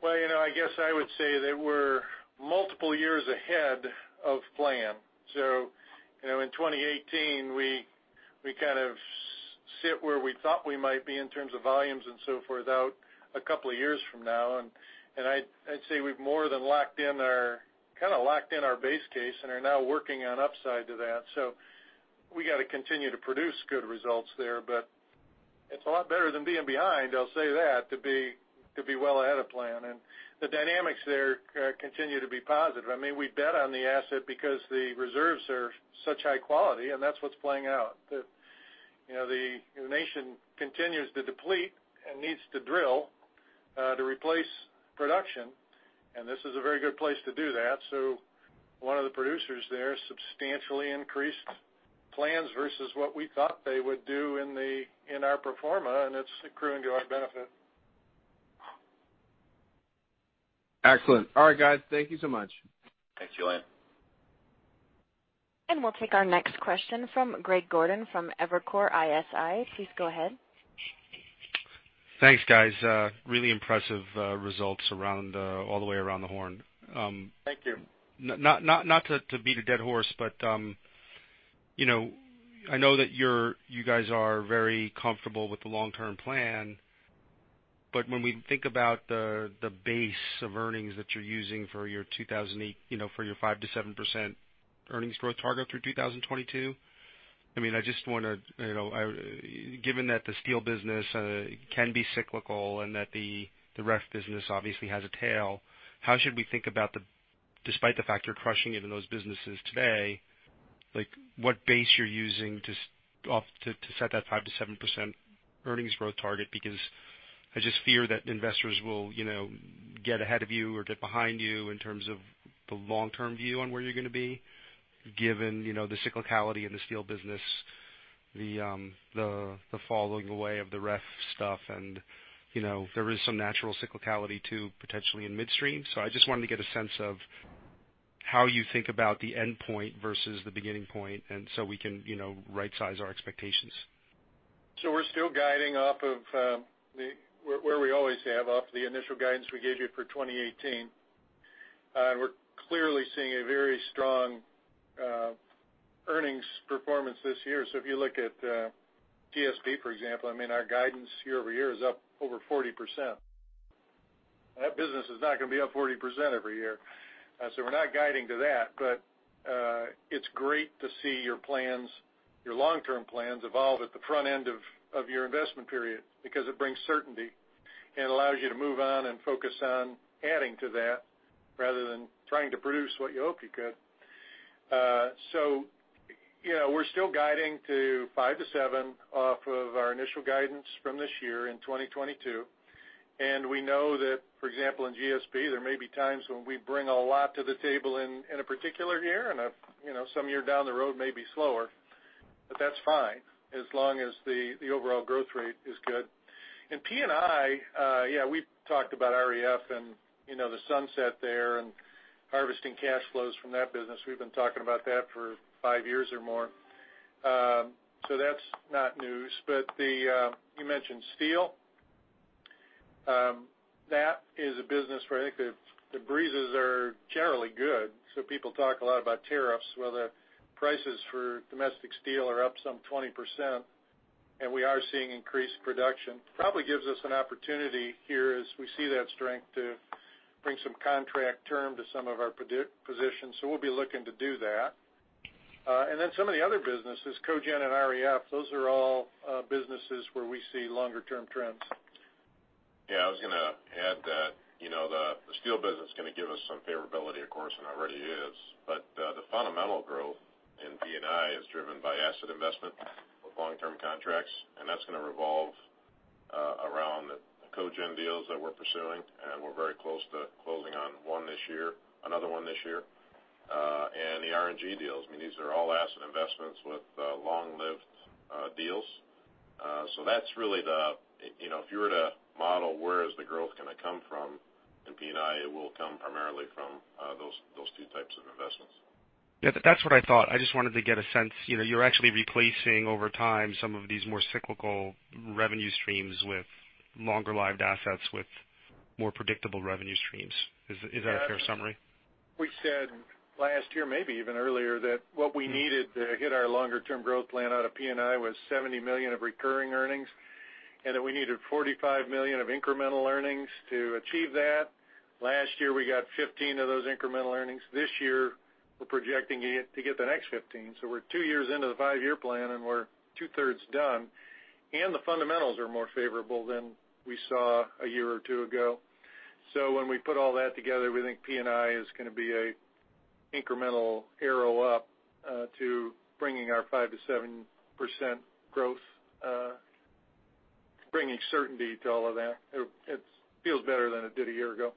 Well, I guess I would say that we're multiple years ahead of plan. In 2018, we kind of sit where we thought we might be in terms of volumes and so forth out a couple of years from now. I'd say we've more than kind of locked in our base case and are now working on upside to that. We got to continue to produce good results there, it's a lot better than being behind, I'll say that, to be well ahead of plan. The dynamics there continue to be positive. I mean, we bet on the asset because the reserves are such high quality, and that's what's playing out. The nation continues to deplete and needs to drill to replace production. This is a very good place to do that. One of the producers there substantially increased plans versus what we thought they would do in our pro forma, it's accruing to our benefit. Excellent. All right, guys. Thank you so much. Thanks, Julien. We'll take our next question from Greg Gordon from Evercore ISI. Please go ahead. Thanks, guys. Really impressive results all the way around the horn. Thank you. Not to beat a dead horse, I know that you guys are very comfortable with the long-term plan. When we think about the base of earnings that you're using for your 5%-7% earnings growth target through 2022, I just want to, given that the steel business can be cyclical and that the REF business obviously has a tail, how should we think about the, despite the fact you're crushing it in those businesses today, what base you're using to set that 5%-7% earnings growth target? Because I just fear that investors will get ahead of you or get behind you in terms of the long-term view on where you're going to be, given the cyclicality in the steel business, the falling away of the REF stuff, and there is some natural cyclicality too, potentially in midstream. I just wanted to get a sense of how you think about the end point versus the beginning point, we can right-size our expectations. We're still guiding off of where we always have, off the initial guidance we gave you for 2018. We're clearly seeing a very strong earnings performance this year. If you look at GSP, for example, our guidance year-over-year is up over 40%. That business is not going to be up 40% every year. We're not guiding to that, but it's great to see your long-term plans evolve at the front end of your investment period because it brings certainty and allows you to move on and focus on adding to that rather than trying to produce what you hope you could. We're still guiding to 5%-7% off of our initial guidance from this year in 2022. We know that, for example, in GSP, there may be times when we bring a lot to the table in a particular year, and some year down the road may be slower, but that's fine as long as the overall growth rate is good. In P&I, yeah, we've talked about REF and the sunset there and harvesting cash flows from that business. We've been talking about that for 5 years or more. That's not news. You mentioned steel. That is a business where I think the breezes are generally good. People talk a lot about tariffs. Well, the prices for domestic steel are up some 20%, and we are seeing increased production. Probably gives us an opportunity here as we see that strength to bring some contract term to some of our positions. We'll be looking to do that. Some of the other businesses, Cogen and REF, those are all businesses where we see longer-term trends. I was going to add that the steel business is going to give us some favorability, of course, and already is. The fundamental growth in P&I is driven by asset investment with long-term contracts, and that's going to revolve around the Cogen deals that we're pursuing, and we're very close to closing on one this year, another one this year. I mean, these are all asset investments with long-lived deals. That's really the if you were to model where is the growth going to come from in P&I, it will come primarily from those 2 types of investments. That's what I thought. I just wanted to get a sense. You're actually replacing over time some of these more cyclical revenue streams with longer-lived assets with more predictable revenue streams. Is that a fair summary? We said last year, maybe even earlier, that what we needed to hit our longer-term growth plan out of P&I was $70 million of recurring earnings, and that we needed $45 million of incremental earnings to achieve that. Last year, we got 15 of those incremental earnings. This year, we're projecting to get the next 15. We're two years into the 5-year plan, and we're two-thirds done, and the fundamentals are more favorable than we saw a year or two ago. When we put all that together, we think P&I is going to be an incremental arrow up to bringing our 5%-7% growth, bringing certainty to all of that. It feels better than it did a year ago.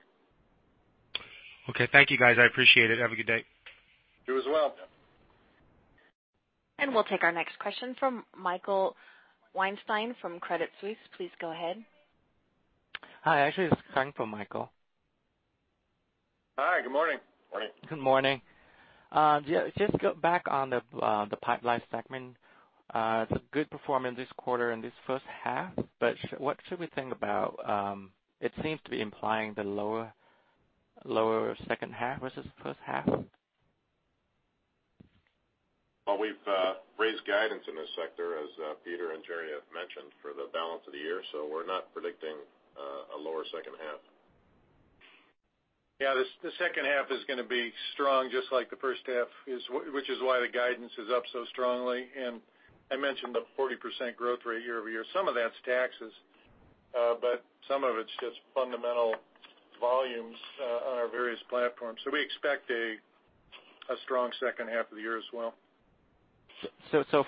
Okay. Thank you, guys. I appreciate it. Have a good day. You as well. We'll take our next question from Michael Weinstein from Credit Suisse. Please go ahead. Hi. Actually, this is Kang from Michael. Hi. Good morning. Morning. Good morning. Just back on the pipeline segment. It's a good performance this quarter and this first half, but what should we think about, it seems to be implying the lower second half versus first half. Well, we've raised guidance in this sector, as Peter and Jerry have mentioned, for the balance of the year, so we're not predicting a lower second half. Yeah, the second half is going to be strong just like the first half, which is why the guidance is up so strongly. I mentioned the 40% growth rate year-over-year. Some of that's taxes, but some of it's just fundamental volumes on our various platforms. We expect a strong second half of the year as well.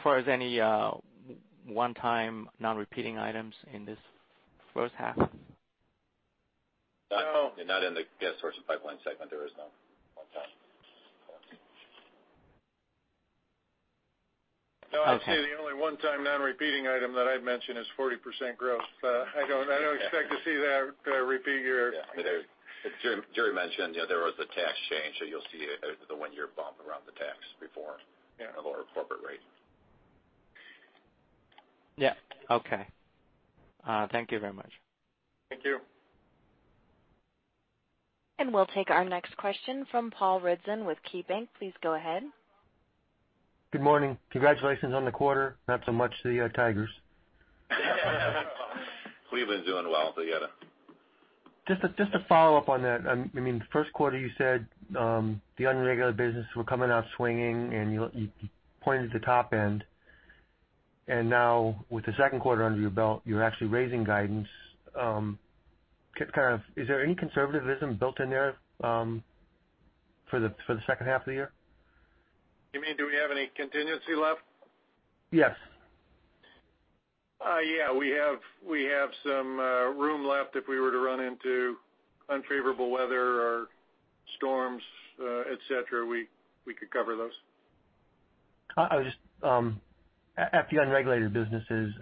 Far as any one-time non-repeating items in this first half? Not in the gas storage and pipeline segment, there is no one-time. I'd say the only one-time non-repeating item that I'd mention is 40% growth. I don't expect to see that repeat year. Yeah. Gerry mentioned there was a tax change, you'll see the one-year bump around the tax reform and a lower corporate rate. Yeah. Okay. Thank you very much. Thank you. We'll take our next question from Paul Ridzon with KeyBank. Please go ahead. Good morning. Congratulations on the quarter. Not so much to the Tigers. Cleveland's doing well. You got to Just to follow up on that. The first quarter you said, the non-utility business were coming out swinging and you pointed at the top end. Now with the second quarter under your belt, you're actually raising guidance. Is there any conservatism built in there for the second half of the year? You mean, do we have any contingency left? Yes. Yeah, we have some room left if we were to run into unfavorable weather or storms, et cetera. We could cover those. At the unregulated businesses,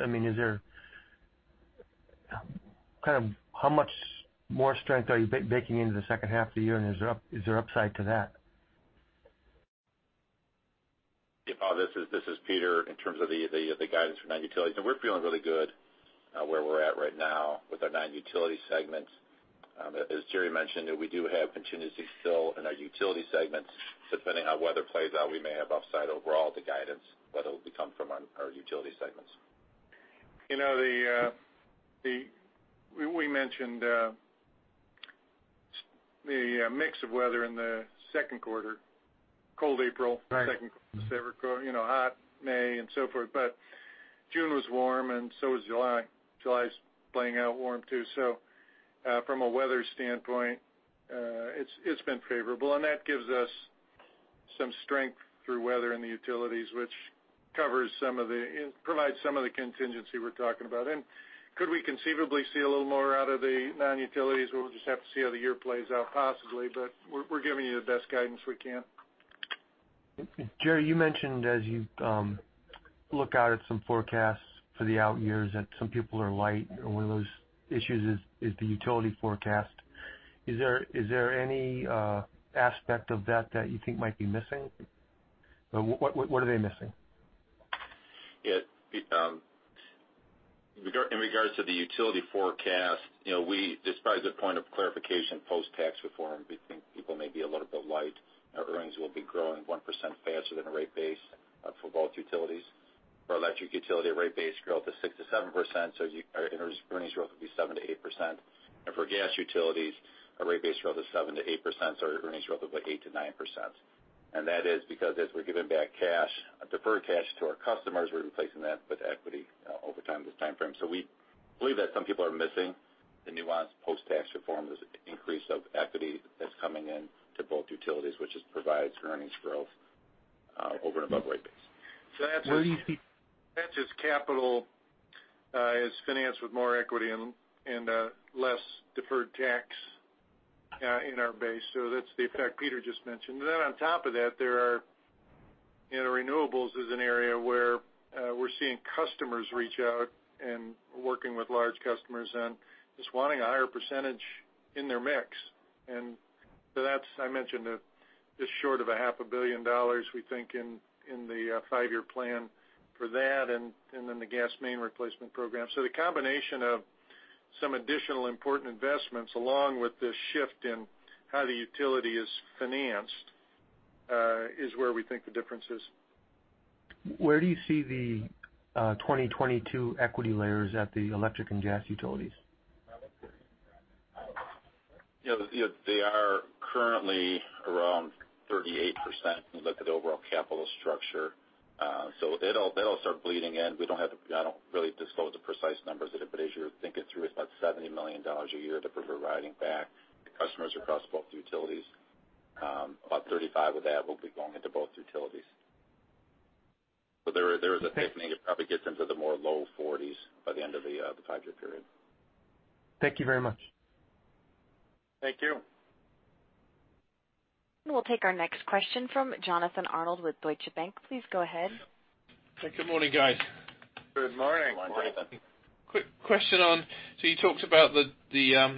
how much more strength are you baking into the second half of the year, and is there upside to that? Yeah, Paul, this is Peter. In terms of the guidance for non-utilities, we're feeling really good where we're at right now with our non-utility segment. As Jerry mentioned, we do have contingency still in our utility segments. Depending on how weather plays out, we may have upside overall to guidance, but it'll come from our utility segments. We mentioned the mix of weather in the second quarter, cold April, hot May and so forth. June was warm, and so was July. July's playing out warm too. From a weather standpoint, it's been favorable, and that gives us some strength through weather in the utilities, which provides some of the contingency we're talking about. Could we conceivably see a little more out of the non-utilities? We'll just have to see how the year plays out, possibly. We're giving you the best guidance we can. Jerry, you mentioned as you look out at some forecasts for the out years, that some people are light, and one of those issues is the utility forecast. Is there any aspect of that that you think might be missing? What are they missing? In regards to the utility forecast, despite the point of clarification post-tax reform, we think people may be a little bit light. Our earnings will be growing 1% faster than the rate base for both utilities. For electric utility, our rate base growth is 6%-7%, so earnings growth will be 7%-8%. For gas utilities, our rate base growth is 7%-8%, so our earnings growth will be 8%-9%. That is because as we're giving back cash, deferred cash to our customers, we're replacing that with equity over time, this time frame. We believe that some people are missing the nuance post-tax reform, this increase of equity that's coming in to both utilities, which just provides earnings growth over and above rate base. That's just capital is financed with more equity and less deferred tax in our base. That's the effect Peter just mentioned. On top of that, renewables is an area where we're seeing customers reach out and working with large customers and just wanting a higher percentage in their mix. That's, I mentioned, just short of a half a billion dollars, we think, in the five-year plan for that and then the gas main replacement program. The combination of some additional important investments, along with the shift in how the utility is financed, is where we think the difference is. Where do you see the 2022 equity layers at the electric and gas utilities? Yes. They are currently around 38% when you look at the overall capital structure. They'll start bleeding in. I don't really disclose the precise numbers yet, but as you're thinking through, it's about $70 million a year to prefer riding back to customers across both utilities. About 35 of that will be going into both utilities. There is I think it probably gets into the more low 40s by the end of the five-year period. Thank you very much. Thank you. We'll take our next question from Jonathan Arnold with Deutsche Bank. Please go ahead. Hey, good morning, guys. Good morning. Morning. Quick question on, you talked about the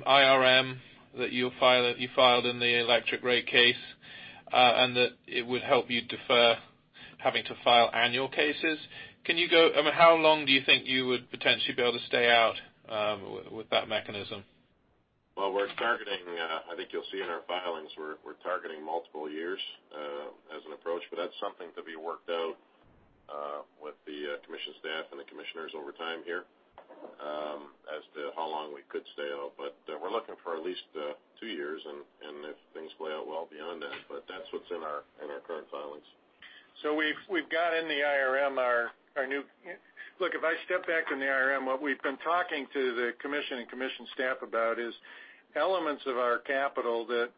IRM that you filed in the electric rate case, and that it would help you defer having to file annual cases. How long do you think you would potentially be able to stay out with that mechanism? We're targeting, I think you'll see in our filings, we're targeting multiple years as an approach, that's something to be worked out with the commission staff and the commissioners over time here as to how long we could stay out. We're looking for at least two years, and if things play out well, beyond that. That's what's in our current filings. We've got in the IRM, if I step back from the IRM, what we've been talking to the commission and commission staff about is elements of our capital that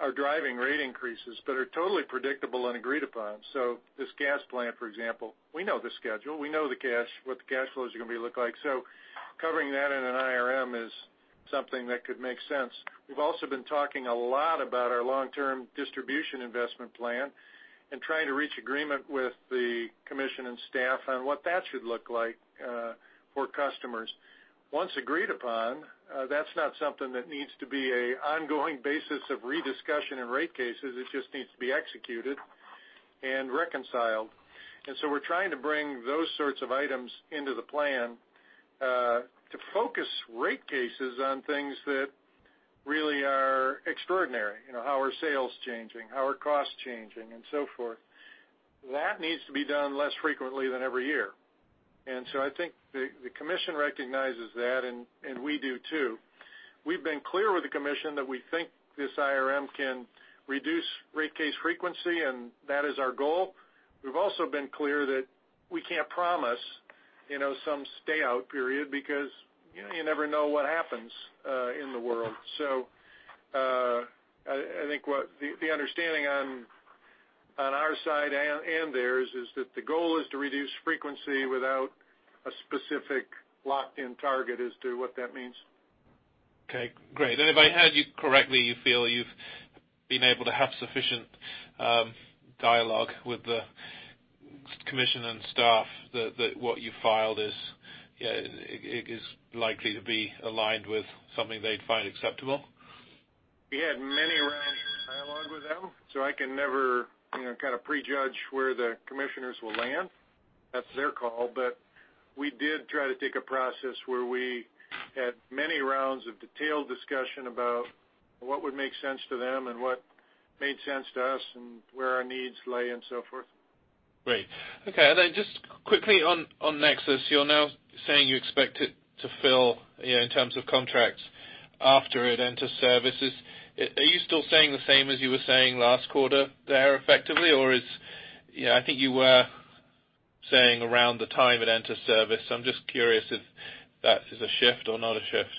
are driving rate increases but are totally predictable and agreed upon. This gas plant, for example, we know the schedule. We know what the cash flows are going to look like. Covering that in an IRM is something that could make sense. We've also been talking a lot about our long-term distribution investment plan and trying to reach agreement with the commission and staff on what that should look like for customers. Once agreed upon, that's not something that needs to be an ongoing basis of rediscussion in rate cases. It just needs to be executed and reconciled. We're trying to bring those sorts of items into the plan to focus rate cases on things that really are extraordinary. How are sales changing? How are costs changing, and so forth. That needs to be done less frequently than every year. I think the commission recognizes that, and we do too. We've been clear with the commission that we think this IRM can reduce rate case frequency, and that is our goal. We've also been clear that we can't promise some stay-out period because you never know what happens in the world. I think what the understanding on our side and theirs is that the goal is to reduce frequency without a specific locked-in target as to what that means. Okay, great. If I heard you correctly, you feel you've been able to have sufficient dialogue with the commission and staff that what you filed is likely to be aligned with something they'd find acceptable? We had many rounds of dialogue with them, so I can never kind of prejudge where the commissioners will land. That's their call, but we did try to take a process where we had many rounds of detailed discussion about what would make sense to them and what made sense to us and where our needs lay and so forth. Great. Okay, just quickly on NEXUS, you're now saying you expect it to fill in terms of contracts after it enters services. Are you still saying the same as you were saying last quarter there effectively? I think you were saying around the time it entered service. I'm just curious if that is a shift or not a shift.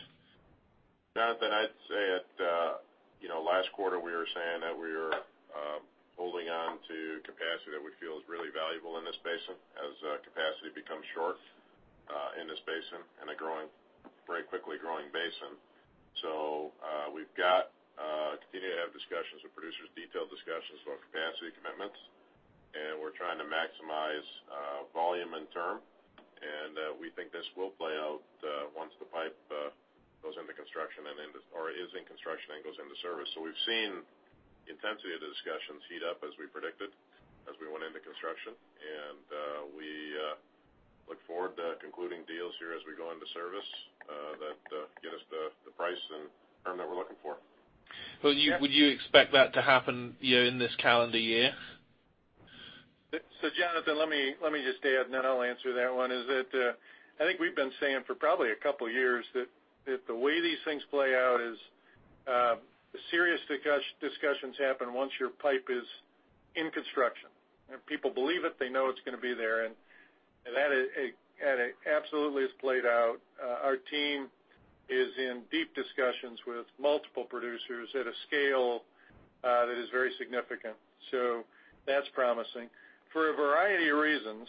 Jonathan, I'd say at last quarter, we were saying that we were holding on to capacity that we feel is really valuable in this basin as capacity becomes short in this basin, in a very quickly growing basin. We've got continuing to have discussions with producers, detailed discussions about capacity commitments, and we're trying to maximize volume and term, and we think this will play out once the pipe goes into construction or is in construction and goes into service. We've seen intensity of the discussions heat up as we predicted as we went into construction. We look forward to concluding deals here as we go into service that get us the price and term that we're looking for. Would you expect that to happen in this calendar year? Jonathan, let me just stay in, then I'll answer that one, is that I think we've been saying for probably a couple of years that the way these things play out is the serious discussions happen once your pipe is in construction, and people believe it. They know it's going to be there. That absolutely has played out. Our team is in deep discussions with multiple producers at a scale that is very significant. That's promising. For a variety of reasons,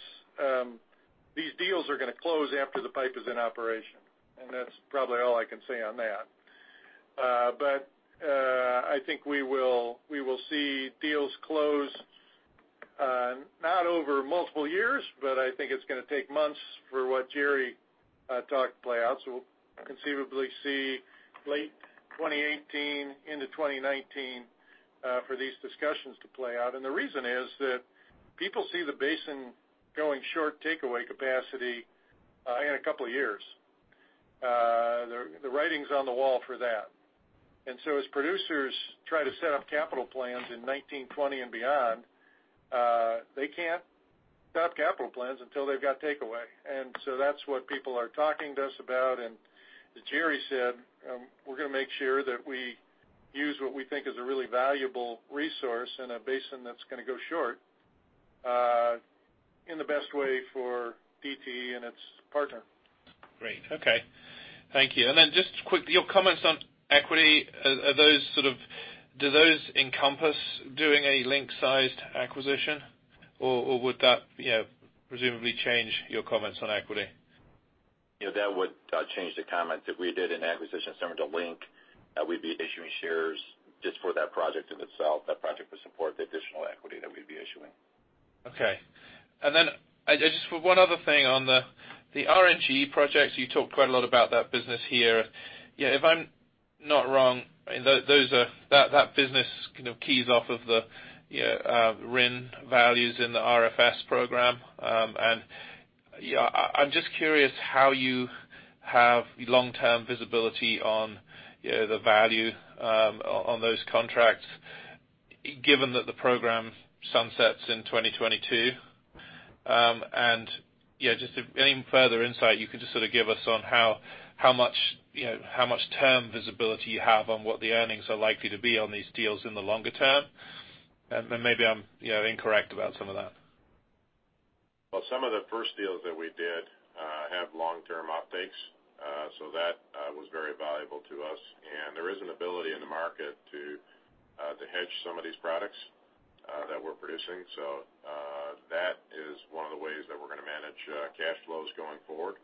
these deals are going to close after the pipe is in operation, and that's probably all I can say on that. I think we will see deals close Not over multiple years, but I think it's going to take months for what Jerry talked to play out. We'll conceivably see late 2018 into 2019 for these discussions to play out. The reason is that people see the basin going short takeaway capacity in a couple of years. The writing's on the wall for that. As producers try to set up capital plans in 2019, 2020 and beyond, they can't set up capital plans until they've got takeaway. That's what people are talking to us about. As Jerry said, we're going to make sure that we use what we think is a really valuable resource in a basin that's going to go short in the best way for DTE and its partner. Great. Okay. Thank you. Just quickly, your comments on equity, do those encompass doing a Link-sized acquisition? Or would that presumably change your comments on equity? That would change the comment. If we did an acquisition similar to Link, we'd be issuing shares just for that project in itself. That project would support the additional equity that we'd be issuing. Okay. Just one other thing on the RNG projects. You talked quite a lot about that business here. If I'm not wrong, that business kind of keys off of the RIN values in the RFS program. I'm just curious how you have long-term visibility on the value on those contracts given that the program sunsets in 2022. Just any further insight you could just sort of give us on how much term visibility you have on what the earnings are likely to be on these deals in the longer term? Maybe I'm incorrect about some of that. Well, some of the first deals that we did have long-term offtakes. That was very valuable to us. There is an ability in the market to hedge some of these products that we're producing. That is one of the ways that we're going to manage cash flows going forward.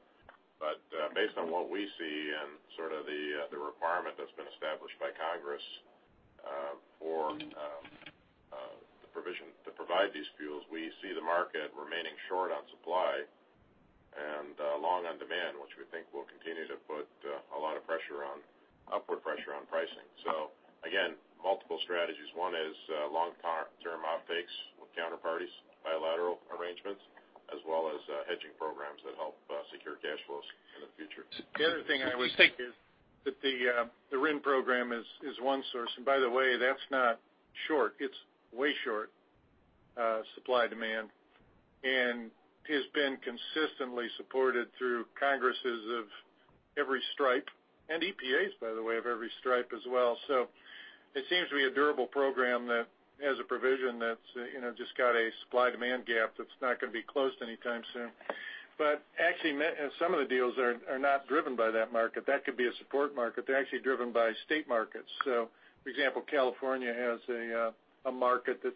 Based on what we see and sort of the requirement that's been established by Congress for the provision to provide these fuels, we see the market remaining short on supply and long on demand, which we think will continue to put a lot of upward pressure on pricing. Again, multiple strategies. One is long-term offtakes with counterparties, bilateral arrangements, as well as hedging programs that help secure cash flows in the future. The other thing I would say is that the RIN program is one source. By the way, that's not short. It's way short supply-demand, and has been consistently supported through Congresses of every stripe, and EPAs, by the way, of every stripe as well. It seems to be a durable program that has a provision that's just got a supply-demand gap that's not going to be closed anytime soon. Actually, some of the deals are not driven by that market. That could be a support market. They're actually driven by state markets. For example, California has a market that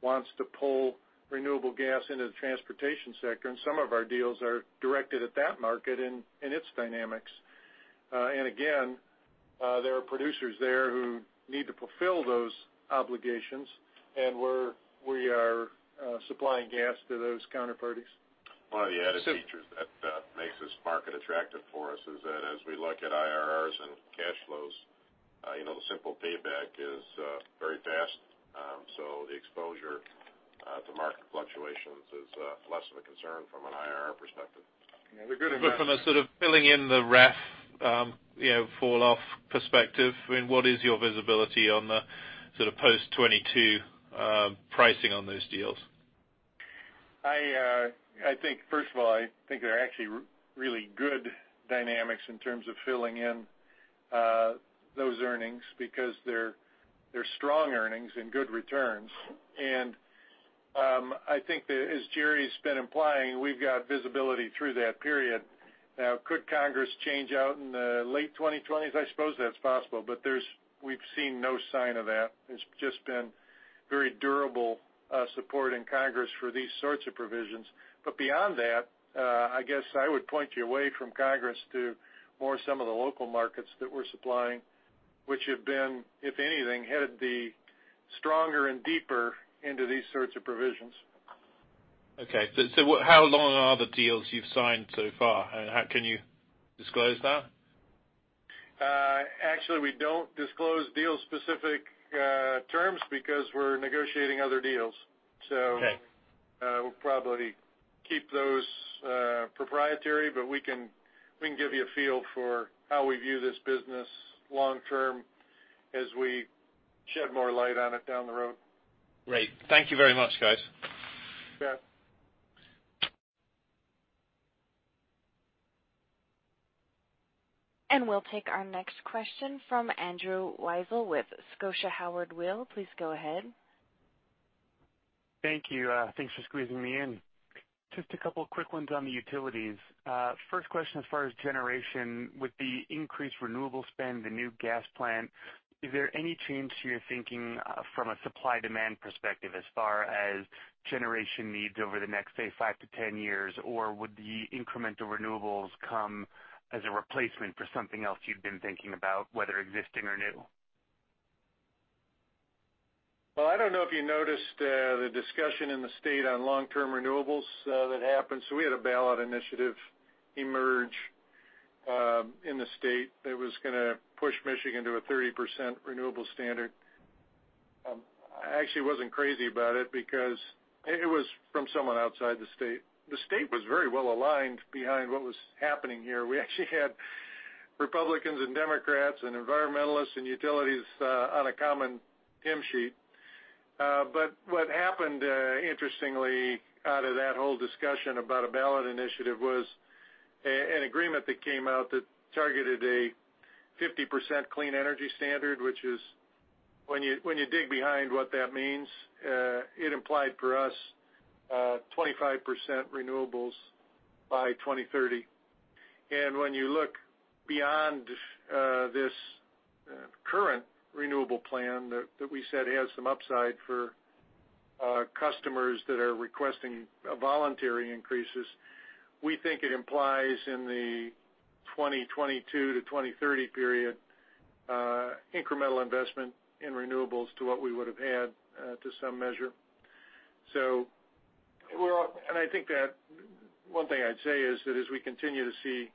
wants to pull renewable gas into the transportation sector, and some of our deals are directed at that market and its dynamics. Again, there are producers there who need to fulfill those obligations, and we are supplying gas to those counterparties. One of the added features that makes this market attractive for us is that as we look at IRRs and cash flows, the simple payback is very fast. The exposure to market fluctuations is less of a concern from an IRR perspective. Yeah, they're good. From a sort of filling in the REF fall off perspective, what is your visibility on the sort of post 2022 pricing on those deals? First of all, I think they're actually really good dynamics in terms of filling in those earnings because they're strong earnings and good returns. I think that as Jerry's been implying, we've got visibility through that period. Now, could Congress change out in the late 2020s? I suppose that's possible, but we've seen no sign of that. It's just been very durable support in Congress for these sorts of provisions. Beyond that, I guess I would point you away from Congress to more some of the local markets that we're supplying, which have been, if anything, headed the stronger and deeper into these sorts of provisions. Okay. How long are the deals you've signed so far? Can you disclose that? Actually, we don't disclose deal specific terms because we're negotiating other deals. Okay. We'll probably keep those proprietary, but we can give you a feel for how we view this business long term as we shed more light on it down the road. Great. Thank you very much, guys. You bet. We'll take our next question from Andrew Weisel with Scotia Howard Weil. Please go ahead. Thank you. Thanks for squeezing me in. Just a couple quick ones on the utilities. First question as far as generation, with the increased renewable spend, the new gas plant, is there any change to your thinking from a supply-demand perspective as far as generation needs over the next, say, five to 10 years? Would the incremental renewables come as a replacement for something else you've been thinking about, whether existing or new? I don't know if you noticed the discussion in the state on long-term renewables that happened. We had a ballot initiative emerge in the state that was going to push Michigan to a 30% renewable standard. I actually wasn't crazy about it because it was from someone outside the state. The state was very well aligned behind what was happening here. We actually had Republicans and Democrats and environmentalists and utilities on a common hymn sheet. What happened, interestingly, out of that whole discussion about a ballot initiative was an agreement that came out that targeted a 50% clean energy standard, which is, when you dig behind what that means, it implied for us 25% renewables by 2030. When you look beyond this current renewable plan that we said has some upside for customers that are requesting voluntary increases, we think it implies in the 2022 to 2030 period, incremental investment in renewables to what we would have had to some measure. One thing I'd say is that as we continue to see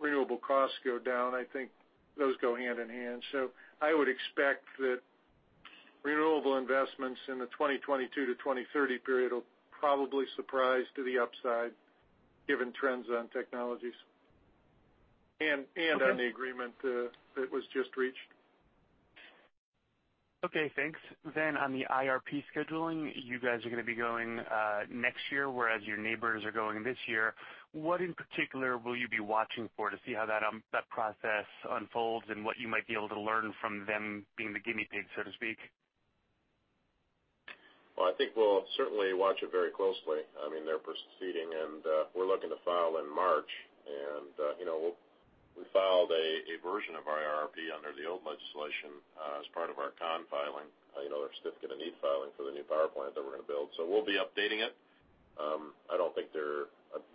renewable costs go down, I think those go hand in hand. I would expect that renewable investments in the 2022 to 2030 period will probably surprise to the upside given trends on technologies and on the agreement that was just reached. Okay, thanks. On the IRP scheduling, you guys are going to be going next year, whereas your neighbors are going this year. What in particular will you be watching for to see how that process unfolds and what you might be able to learn from them being the guinea pig, so to speak? I think we'll certainly watch it very closely. They're proceeding, and we're looking to file in March. We filed a version of our IRP under the old legislation as part of our con filing, our Certificate of Need filing for the new power plant that we're going to build. We'll be updating it.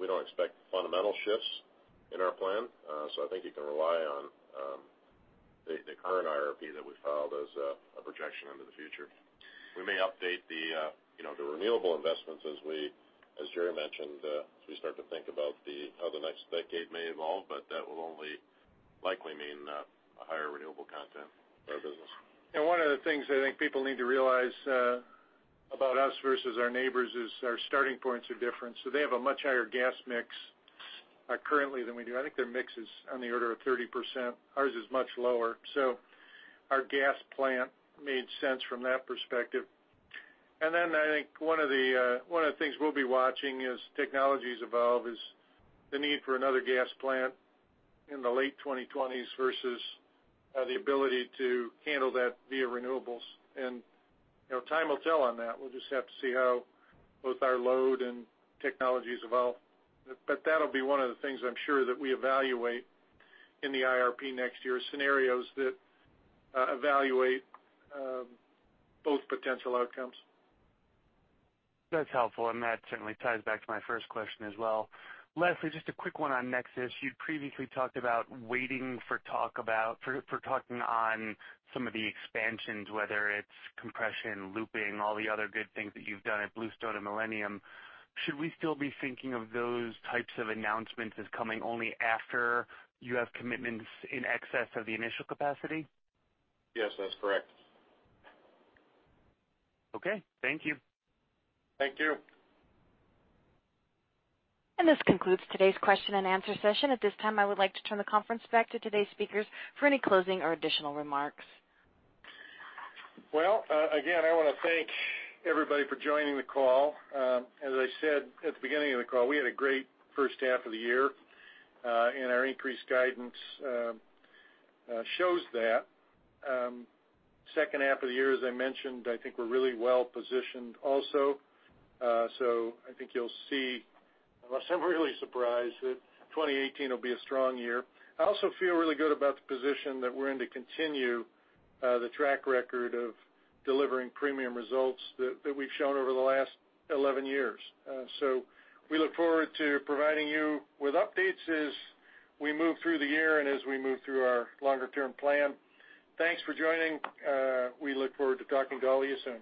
We don't expect fundamental shifts in our plan. I think you can rely on the current IRP that we filed as a projection into the future. We may update the renewable investments as Gerry mentioned, as we start to think about how the next decade may evolve, but that will only likely mean a higher renewable content for our business. One of the things I think people need to realize about us versus our neighbors is our starting points are different. They have a much higher gas mix currently than we do. I think their mix is on the order of 30%. Ours is much lower. Our gas plant made sense from that perspective. Then I think one of the things we'll be watching as technologies evolve is the need for another gas plant in the late 2020s versus the ability to handle that via renewables. Time will tell on that. We'll just have to see how both our load and technologies evolve. That'll be one of the things I'm sure that we evaluate in the IRP next year, scenarios that evaluate both potential outcomes. That's helpful, that certainly ties back to my first question as well. Lastly, just a quick one on Nexus. You previously talked about waiting for talking on some of the expansions, whether it's compression, looping, all the other good things that you've done at Bluestone and Millennium. Should we still be thinking of those types of announcements as coming only after you have commitments in excess of the initial capacity? Yes, that's correct. Okay, thank you. Thank you. This concludes today's question and answer session. At this time, I would like to turn the conference back to today's speakers for any closing or additional remarks. Again, I want to thank everybody for joining the call. As I said at the beginning of the call, we had a great first half of the year, and our increased guidance shows that. Second half of the year, as I mentioned, I think we're really well-positioned also. I think you'll see, unless I'm really surprised, that 2018 will be a strong year. I also feel really good about the position that we're in to continue the track record of delivering premium results that we've shown over the last 11 years. We look forward to providing you with updates as we move through the year and as we move through our longer-term plan. Thanks for joining. We look forward to talking to all of you soon.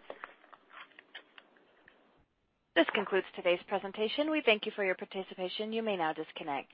This concludes today's presentation. We thank you for your participation. You may now disconnect.